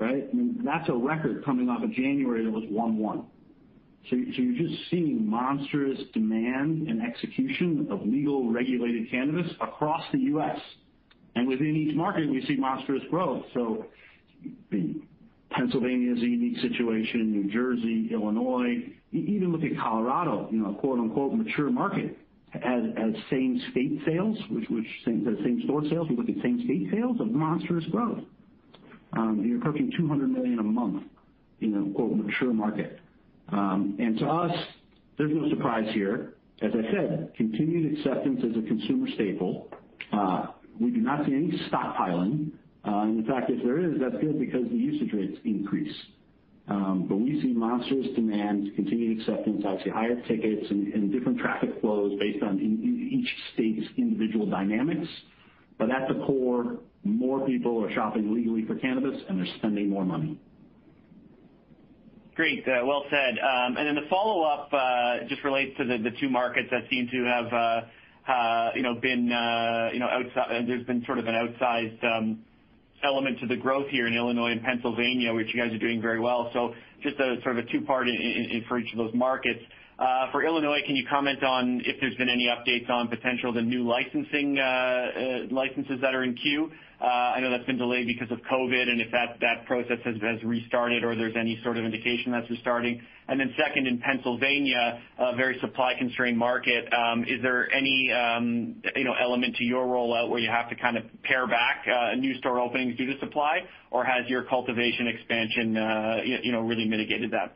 Speaker 3: Right? I mean, that's a record coming off of January, that was one one. You're just seeing monstrous demand and execution of legal regulated cannabis across the U.S., and within each market, we see monstrous growth. Pennsylvania is a unique situation. New Jersey, Illinois, even look at Colorado, a quote unquote mature market at same state sales, which same store sales. We look at same state sales, a monstrous growth. You're approaching $200 million a month in a quote mature market. To us, there's no surprise here. As I said, continued acceptance as a consumer staple. We do not see any stockpiling. In fact, if there is, that's good because the usage rates increase. We see monstrous demand, continued acceptance, obviously higher tickets and different traffic flows based on each state's individual dynamics. At the core, more people are shopping legally for cannabis, and they're spending more money.
Speaker 12: Great. Well said. The follow-up just relates to the two markets that there's been sort of an outsized element to the growth here in Illinois and Pennsylvania, which you guys are doing very well. Just a sort of a two-part for each of those markets. For Illinois, can you comment on if there's been any updates on potential the new licenses that are in queue? I know that's been delayed because of COVID-19. If that process has restarted or there's any sort of indication that's restarting. Second, in Pennsylvania, a very supply-constrained market, is there any element to your rollout where you have to kind of pare back new store openings due to supply? Has your cultivation expansion really mitigated that?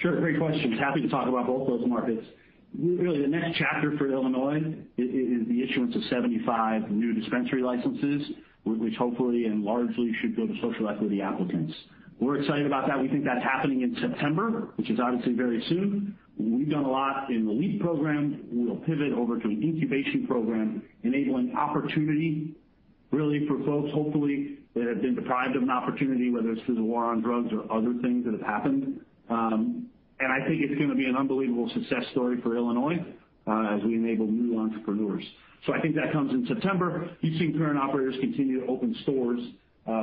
Speaker 3: Sure. Great questions. Happy to talk about both those markets. Really, the next chapter for Illinois is the issuance of 75 new dispensary licenses, which hopefully and largely should go to social equity applicants. We're excited about that. We think that's happening in September, which is obviously very soon. We've done a lot in the LEAP program. We'll pivot over to an incubation program enabling opportunity really for folks, hopefully, that have been deprived of an opportunity, whether it's through the war on drugs or other things that have happened. I think it's going to be an unbelievable success story for Illinois as we enable new entrepreneurs. I think that comes in September. You've seen current operators continue to open stores.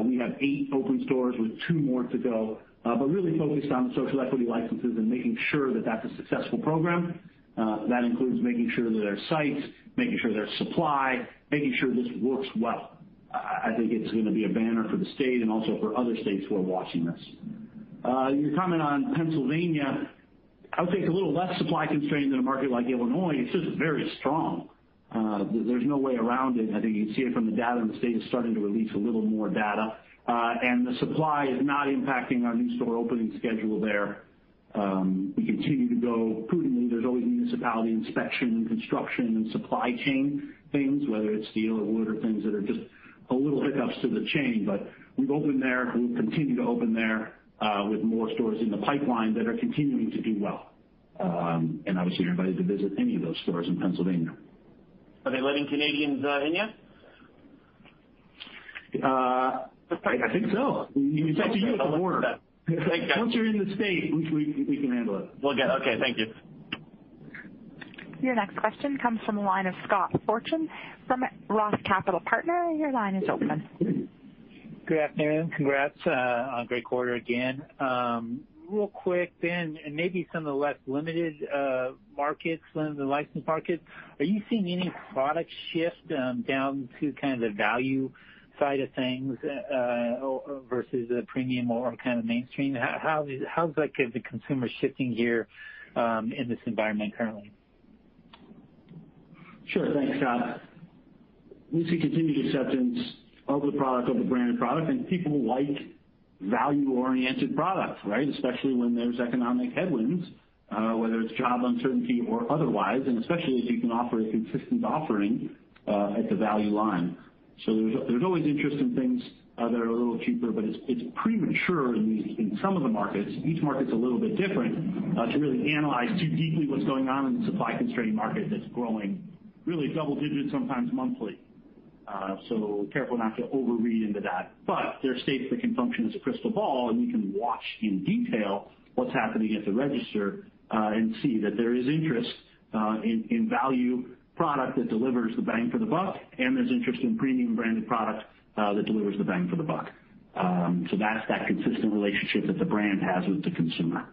Speaker 3: We have eight open stores with two more to go. Really focused on social equity licenses and making sure that that's a successful program. That includes making sure that there are sites, making sure there's supply, making sure this works well. I think it's going to be a banner for the state and also for other states who are watching this. Your comment on Pennsylvania, I would say it's a little less supply constrained than a market like Illinois. It's just very strong. There's no way around it. I think you can see it from the data, and the state is starting to release a little more data. The supply is not impacting our new store opening schedule there. We continue to go prudently. There's always municipality inspection and construction and supply chain things, whether it's steel or wood or things that are just a little hiccups to the chain. We've opened there, and we'll continue to open there with more stores in the pipeline that are continuing to do well. Obviously you're invited to visit any of those stores in Pennsylvania.
Speaker 12: Are they letting Canadians in yet?
Speaker 3: I think so. It's up to you at the border.
Speaker 12: Okay.
Speaker 3: Once you're in the state, we can handle it.
Speaker 12: Okay. Thank you.
Speaker 1: Your next question comes from the line of Scott Fortune from ROTH Capital Partners. Your line is open.
Speaker 13: Good afternoon. Congrats on a great quarter again. Real quick then, maybe some of the less limited markets than the licensed markets, are you seeing any product shift down to kind of the value side of things versus a premium or kind of mainstream? How's the consumer shifting here in this environment currently?
Speaker 3: Sure. Thanks, Scott. We see continued acceptance of the product, of the branded product, people like value-oriented products, right? Especially when there's economic headwinds, whether it's job uncertainty or otherwise, and especially if you can offer a consistent offering at the value line. There's always interest in things that are a little cheaper, it's premature in some of the markets. Each market's a little bit different to really analyze too deeply what's going on in the supply-constrained market that's growing really double digits sometimes monthly. Careful not to overread into that. There are states that can function as a crystal ball, and we can watch in detail what's happening at the register, and see that there is interest in value product that delivers the bang for the buck, and there's interest in premium branded product that delivers the bang for the buck. That's that consistent relationship that the brand has with the consumer.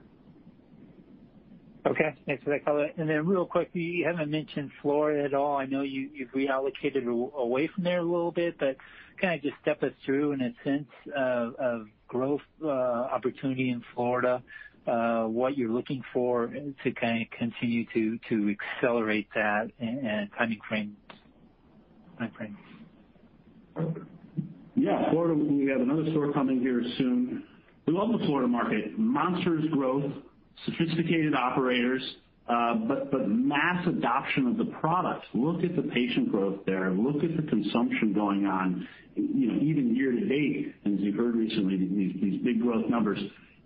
Speaker 13: Okay. Thanks for that color. Real quick, you haven't mentioned Florida at all. I know you've reallocated away from there a little bit, but kind of just step us through in a sense of growth opportunity in Florida, what you're looking for to kind of continue to accelerate that and timing frames.
Speaker 3: Yeah. Florida, we have another store coming here soon. We love the Florida market. Monstrous growth, sophisticated operators, but mass adoption of the product. Look at the patient growth there. Look at the consumption going on even year-to-date, as you've heard recently, these big growth numbers.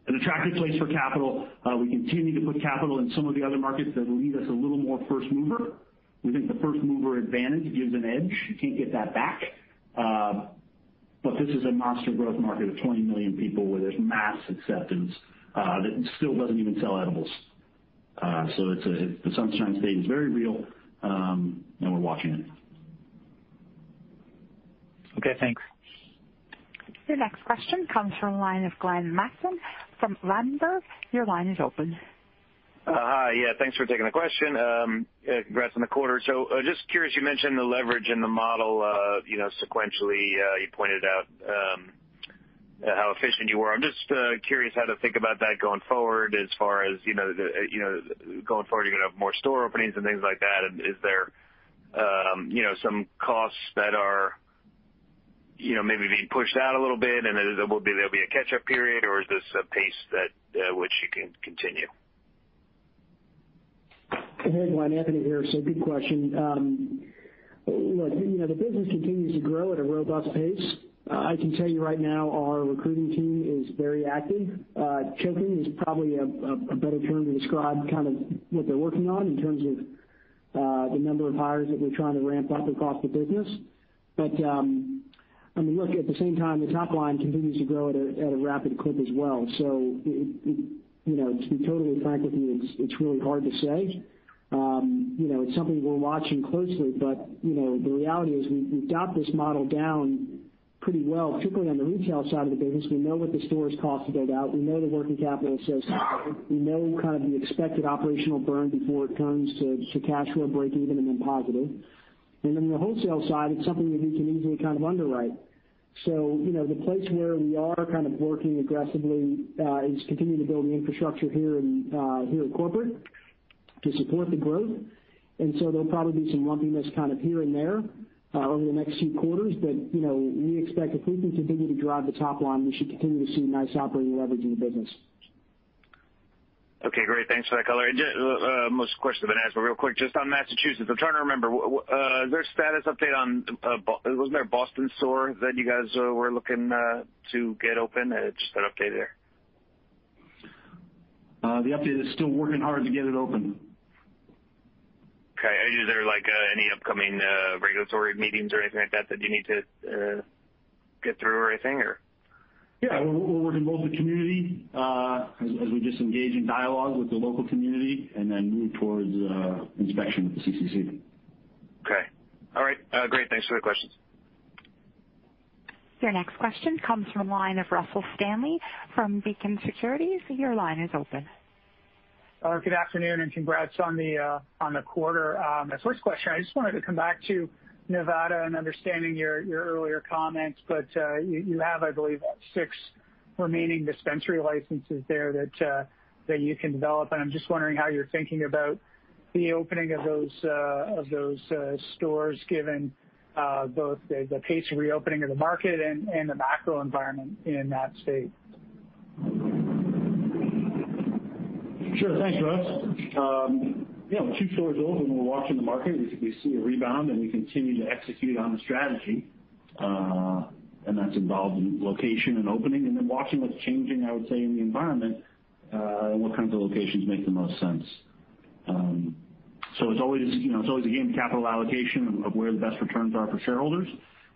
Speaker 3: An attractive place for capital. We continue to put capital in some of the other markets that will leave us a little more first-mover. We think the first-mover advantage gives an edge. You can't get that back. This is a monster growth market of 20 million people where there's mass acceptance, that still doesn't even sell edibles. The Sunshine State is very real, and we're watching it.
Speaker 13: Okay, thanks.
Speaker 1: Your next question comes from the line of Glenn Mattson from Ladenburg. Your line is open.
Speaker 14: Hi. Yeah, thanks for taking the question. Congrats on the quarter. Just curious, you mentioned the leverage in the model, sequentially, you pointed out how efficient you were. I'm just curious how to think about that going forward as far as, going forward, you're going to have more store openings and things like that. Is there some costs that are maybe being pushed out a little bit and there'll be a catch-up period, or is this a pace that which you can continue?
Speaker 4: Hey, Glenn, Anthony here. Good question. Look, the business continues to grow at a robust pace. I can tell you right now, our recruiting team is very active. Choking is probably a better term to describe kind of what they're working on in terms of the number of hires that we're trying to ramp up across the business. Look, at the same time, the top line continues to grow at a rapid clip as well. To be totally frank with you, it's really hard to say. It's something we're watching closely, but the reality is, we've got this model down pretty well, particularly on the retail side of the business. We know what the stores cost to build out. We know the working capital associated. We know kind of the expected operational burn before it comes to cash flow breaking even and then positive. The wholesale side, it's something that we can easily kind of underwrite. The place where we are kind of working aggressively, is continuing to build the infrastructure here in corporate to support the growth. There'll probably be some lumpiness kind of here and there over the next few quarters. We expect if we can continue to drive the top line, we should continue to see nice operating leverage in the business.
Speaker 14: Okay, great. Thanks for that color. Most of the questions have been asked, but real quick, just on Massachusetts, I'm trying to remember, is there a status update on, wasn't there a Boston store that you guys were looking to get open? Just an update there.
Speaker 3: The update is still working hard to get it open.
Speaker 14: Okay. Is there any upcoming regulatory meetings or anything like that you need to get through or anything, or?
Speaker 3: Yeah, we're working with the community, as we just engage in dialogue with the local community and then move towards inspection with the CCC.
Speaker 14: Okay. All right. Great. Thanks for the questions.
Speaker 1: Your next question comes from the line of Russell Stanley from Beacon Securities. Your line is open.
Speaker 15: Good afternoon. Congrats on the quarter. My first question, I just wanted to come back to Nevada and understanding your earlier comments. You have, I believe six remaining dispensary licenses there that you can develop, and I'm just wondering how you're thinking about the opening of those stores, given both the pace of reopening of the market and the macro environment in that state.
Speaker 3: Sure. Thanks, Russ. Yeah, with two stores open, we're watching the market. If we see a rebound, then we continue to execute on the strategy. That's involved in location and opening and then watching what's changing, I would say, in the environment, and what kinds of locations make the most sense. It's always a game of capital allocation of where the best returns are for shareholders.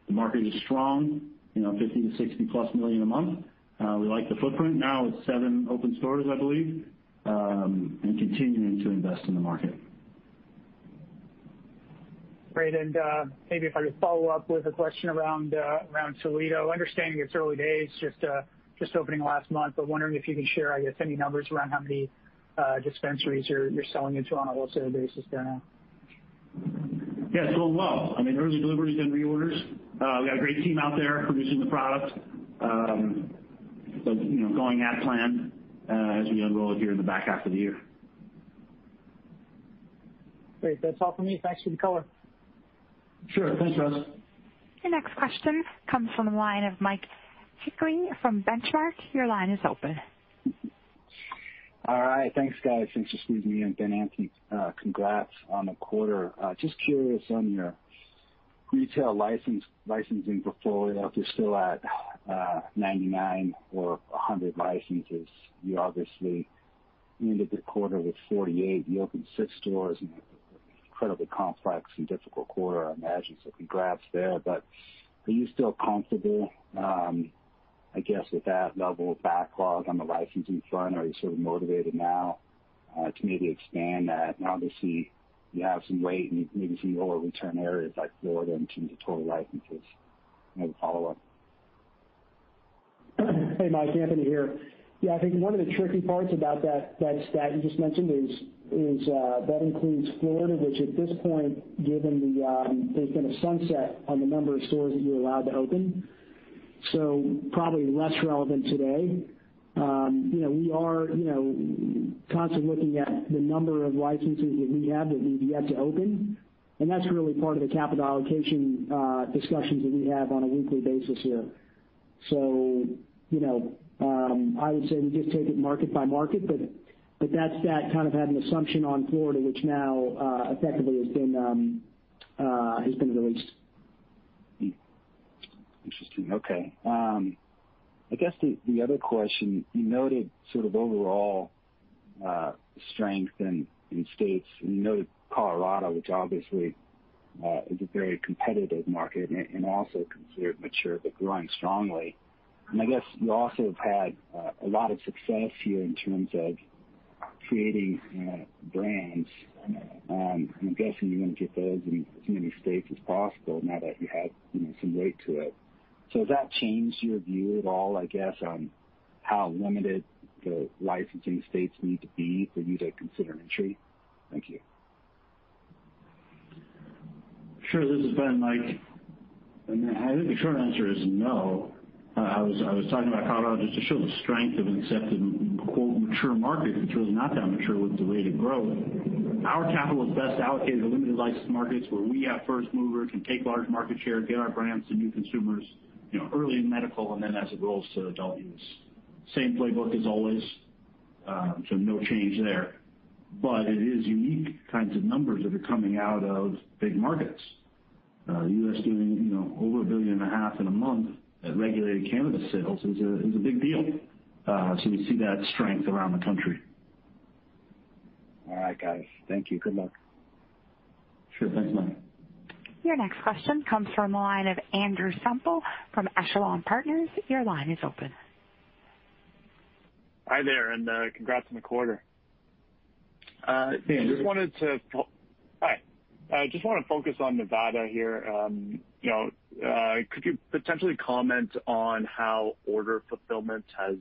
Speaker 3: The market is strong, $50 million-$60+ million a month. We like the footprint now with seven open stores, I believe, and continuing to invest in the market.
Speaker 15: Great. Maybe if I could follow up with a question around Toledo. Understanding it's early days, just opening last month, wondering if you can share, I guess, any numbers around how many dispensaries you're selling into on a wholesale basis there now?
Speaker 3: Yeah, it's going well. Early deliveries and reorders. We got a great team out there producing the product. Going as planned, as we unroll it here in the back half of the year.
Speaker 15: Great. That's all from me. Thanks for the color.
Speaker 3: Sure. Thanks, Russ.
Speaker 1: Your next question comes from the line of Mike Hickey from Benchmark. Your line is open.
Speaker 16: All right. Thanks, guys. Thanks for squeezing me in. Ben, Anthony, congrats on the quarter. Just curious on your retail licensing portfolio, if you're still at 99 or 100 licenses. You obviously ended the quarter with 48, and you opened six stores in an incredibly complex and difficult quarter, I imagine. Congrats there. Are you still comfortable, I guess, with that level of backlog on the licensing front, or are you sort of motivated now to maybe expand that? Obviously, you have some weight in maybe some lower return areas like Florida in terms of total licenses. I have a follow-up.
Speaker 4: Hey, Mike, Anthony here. I think one of the tricky parts about that stat you just mentioned is, that includes Florida, which at this point, there's been a sunset on the number of stores that you're allowed to open, so probably less relevant today. We are constantly looking at the number of licenses that we have that we've yet to open, that's really part of the capital allocation discussions that we have on a weekly basis here. I would say we just take it market by market, but that stat kind of had an assumption on Florida, which now effectively has been released.
Speaker 16: Interesting. Okay. I guess the other question, you noted overall strength in states, you noted Colorado, which obviously is a very competitive market and also considered mature, but growing strongly. I guess you also have had a lot of success here in terms of creating brands. I'm guessing you want to get those in as many states as possible now that you have some weight to it. Has that changed your view at all, I guess, on how limited the licensing states need to be for you to consider an entry? Thank you.
Speaker 3: Sure. This is Ben, Mike. I think the short answer is no. I was talking about Colorado just to show the strength of an accepted, quote, "mature market," which was not that mature with the way it had grown. Our capital is best allocated to limited license markets where we have first mover, can take large market share, get our brands to new consumers, early in medical, and then as it rolls to adult use. Same playbook as always. No change there, but it is unique kinds of numbers that are coming out of big markets. U.S. doing over $1.5 billion in a month at regulated cannabis sales is a big deal. We see that strength around the country.
Speaker 16: All right, guys. Thank you. Good luck.
Speaker 3: Sure. Thanks, Mike.
Speaker 1: Your next question comes from the line of Andrew Semple from Echelon Wealth Partners. Your line is open.
Speaker 17: Hi there, and congrats on the quarter.
Speaker 3: Thanks, Andrew.
Speaker 17: Hi. Just want to focus on Nevada here. Could you potentially comment on how order fulfillment has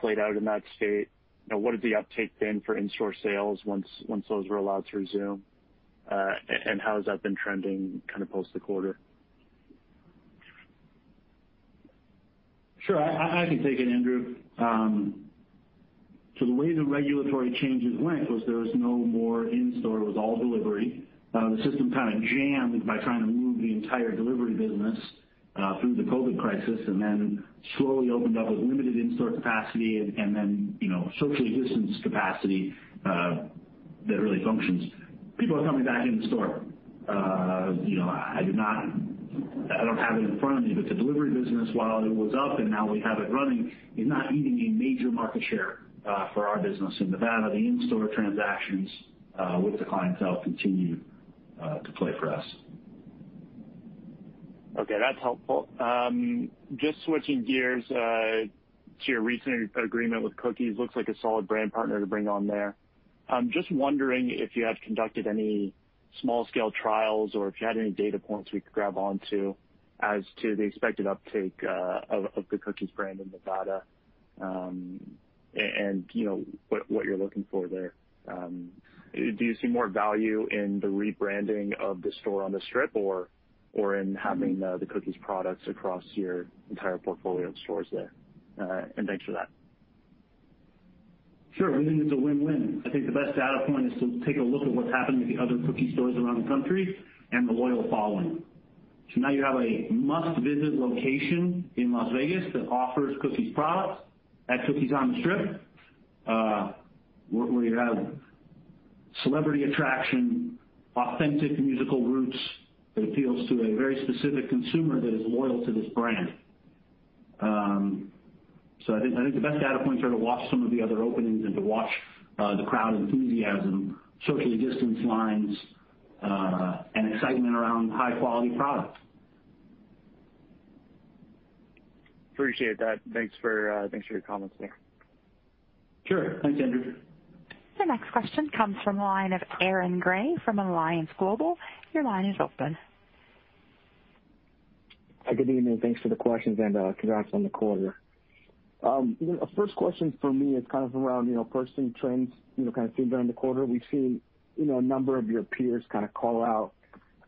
Speaker 17: played out in that state? What has the uptake been for in-store sales once those were allowed to resume? How has that been trending post the quarter?
Speaker 3: Sure. I can take it, Andrew. The way the regulatory changes went was there was no more in-store. It was all delivery. The system kind of jammed by trying to move the entire delivery business through the COVID crisis, and then slowly opened up with limited in-store capacity and then socially distanced capacity that really functions. People are coming back in the store. I don't have it in front of me, the delivery business, while it was up, and now we have it running, is not eating a major market share for our business in Nevada. The in-store transactions with the clientele continue to play for us.
Speaker 17: Okay, that's helpful. Just switching gears to your recent agreement with Cookies. Looks like a solid brand partner to bring on there. I'm just wondering if you have conducted any small-scale trials or if you had any data points we could grab onto as to the expected uptake of the Cookies brand in Nevada, and what you're looking for there. Do you see more value in the rebranding of the store on the Strip, or in having the Cookies products across your entire portfolio of stores there? Thanks for that.
Speaker 3: Sure. We think it's a win-win. I think the best data point is to take a look at what's happened with the other Cookies stores around the country and the loyal following. Now you have a must-visit location in Las Vegas that offers Cookies products at Cookies on the Strip, where you have celebrity attraction, authentic musical roots that appeals to a very specific consumer that is loyal to this brand. I think the best data points are to watch some of the other openings and to watch the crowd enthusiasm, socially distanced lines, and excitement around high-quality products.
Speaker 17: Appreciate that. Thanks for your comments there.
Speaker 3: Sure. Thanks, Andrew.
Speaker 1: The next question comes from the line of Aaron Grey from Alliance Global. Your line is open.
Speaker 18: Hi, good evening. Thanks for the questions. Congrats on the quarter. First question for me is around personal trends seen during the quarter. We've seen a number of your peers call out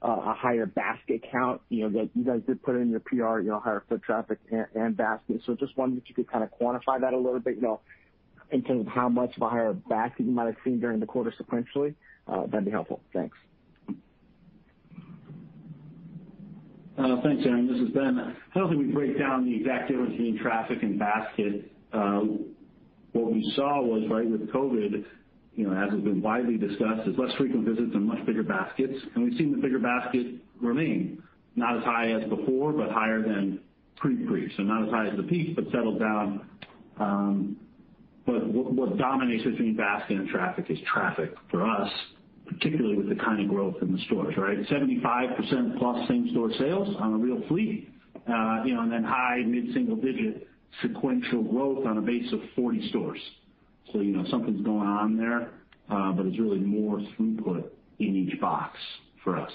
Speaker 18: a higher basket count, that you guys did put it in your PR, higher foot traffic and basket. Just wondering if you could quantify that a little bit, in terms of how much of a higher basket you might have seen during the quarter sequentially. That'd be helpful. Thanks.
Speaker 3: Thanks, Aaron. This is Ben. I don't think we break down the exact difference between traffic and basket. What we saw was right with COVID-19, as has been widely discussed, is less frequent visits and much bigger baskets. We've seen the bigger basket remain, not as high as before, but higher than pre-pre. Not as high as the peak, but settled down. What dominates between basket and traffic is traffic for us, particularly with the kind of growth in the stores, right? 75%+ same-store sales on a real fleet, and then high mid-single digit sequential growth on a base of 40 stores. Something's going on there. It's really more throughput in each box for us.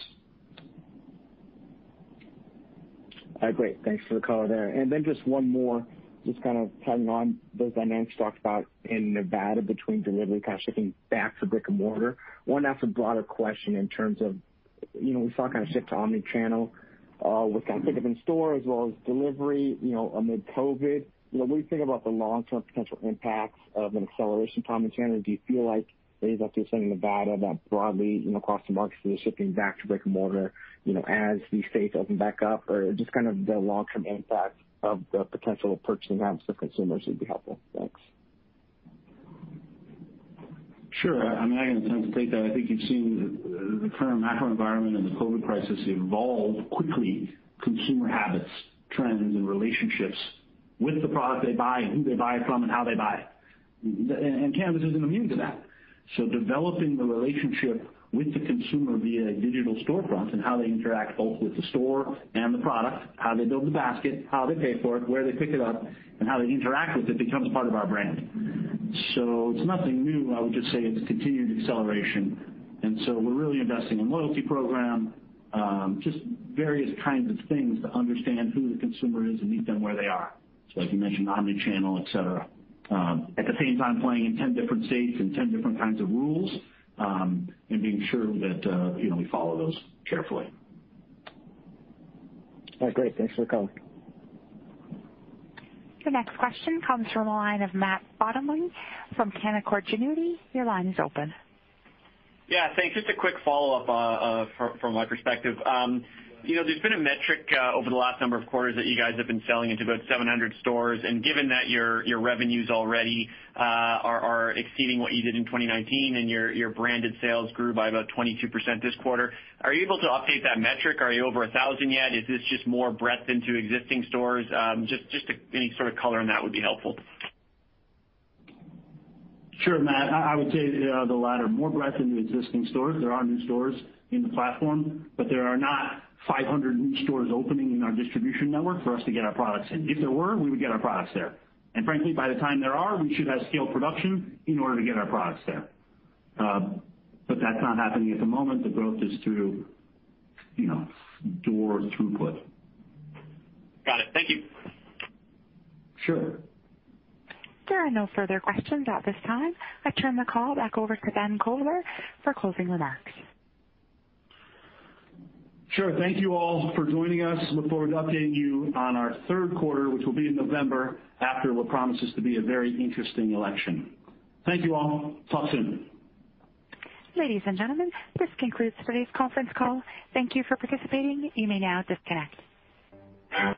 Speaker 18: All right, great. Thanks for the color there. Just one more, just kind of tagging on those dynamics you talked about in Nevada between delivery, kind of shifting back to brick-and-mortar. Wanted to ask a broader question in terms of, we saw a kind of shift to omni-channel, with kind of pick-up in store as well as delivery, amid COVID-19. What do you think about the long-term potential impacts of an acceleration of omni-channel? Do you feel like things, like you were saying, Nevada, that broadly, across the markets, they're shifting back to brick-and-mortar, as these states open back up? Just kind of the long-term impact of the potential purchasing habits of consumers would be helpful. Thanks.
Speaker 3: Sure. I'm not going to tempt fate there. I think you've seen the current macro environment and the COVID-19 crisis evolve quickly consumer habits, trends, and relationships with the product they buy, who they buy it from, and how they buy it. Cannabis isn't immune to that. Developing the relationship with the consumer via digital storefronts and how they interact both with the store and the product, how they build the basket, how they pay for it, where they pick it up, and how they interact with it becomes part of our brand. It's nothing new. I would just say it's continued acceleration. We're really investing in loyalty program, just various kinds of things to understand who the consumer is and meet them where they are. As you mentioned, omni-channel, et cetera. At the same time, playing in 10 different states and 10 different kinds of rules, and being sure that we follow those carefully.
Speaker 18: All right, great. Thanks for the color.
Speaker 1: The next question comes from the line of Matt Bottomley from Canaccord Genuity. Your line is open.
Speaker 12: Yeah, thanks. Just a quick follow-up from my perspective. There's been a metric over the last number of quarters that you guys have been selling into about 700 stores, and given that your revenues already are exceeding what you did in 2019 and your branded sales grew by about 22% this quarter, are you able to update that metric? Are you over 1,000 yet? Is this just more breadth into existing stores? Just any sort of color on that would be helpful.
Speaker 3: Sure, Matt. I would say the latter, more breadth into existing stores. There are new stores in the platform, there are not 500 new stores opening in our distribution network for us to get our products in. If there were, we would get our products there. Frankly, by the time there are, we should have scaled production in order to get our products there. That's not happening at the moment. The growth is through store throughput.
Speaker 12: Got it. Thank you.
Speaker 3: Sure.
Speaker 1: There are no further questions at this time. I turn the call back over to Ben Kovler for closing remarks.
Speaker 3: Sure. Thank you all for joining us. Look forward to updating you on our third quarter, which will be in November after what promises to be a very interesting election. Thank you all. Talk soon.
Speaker 1: Ladies and gentlemen, this concludes today's conference call. Thank you for participating. You may now disconnect.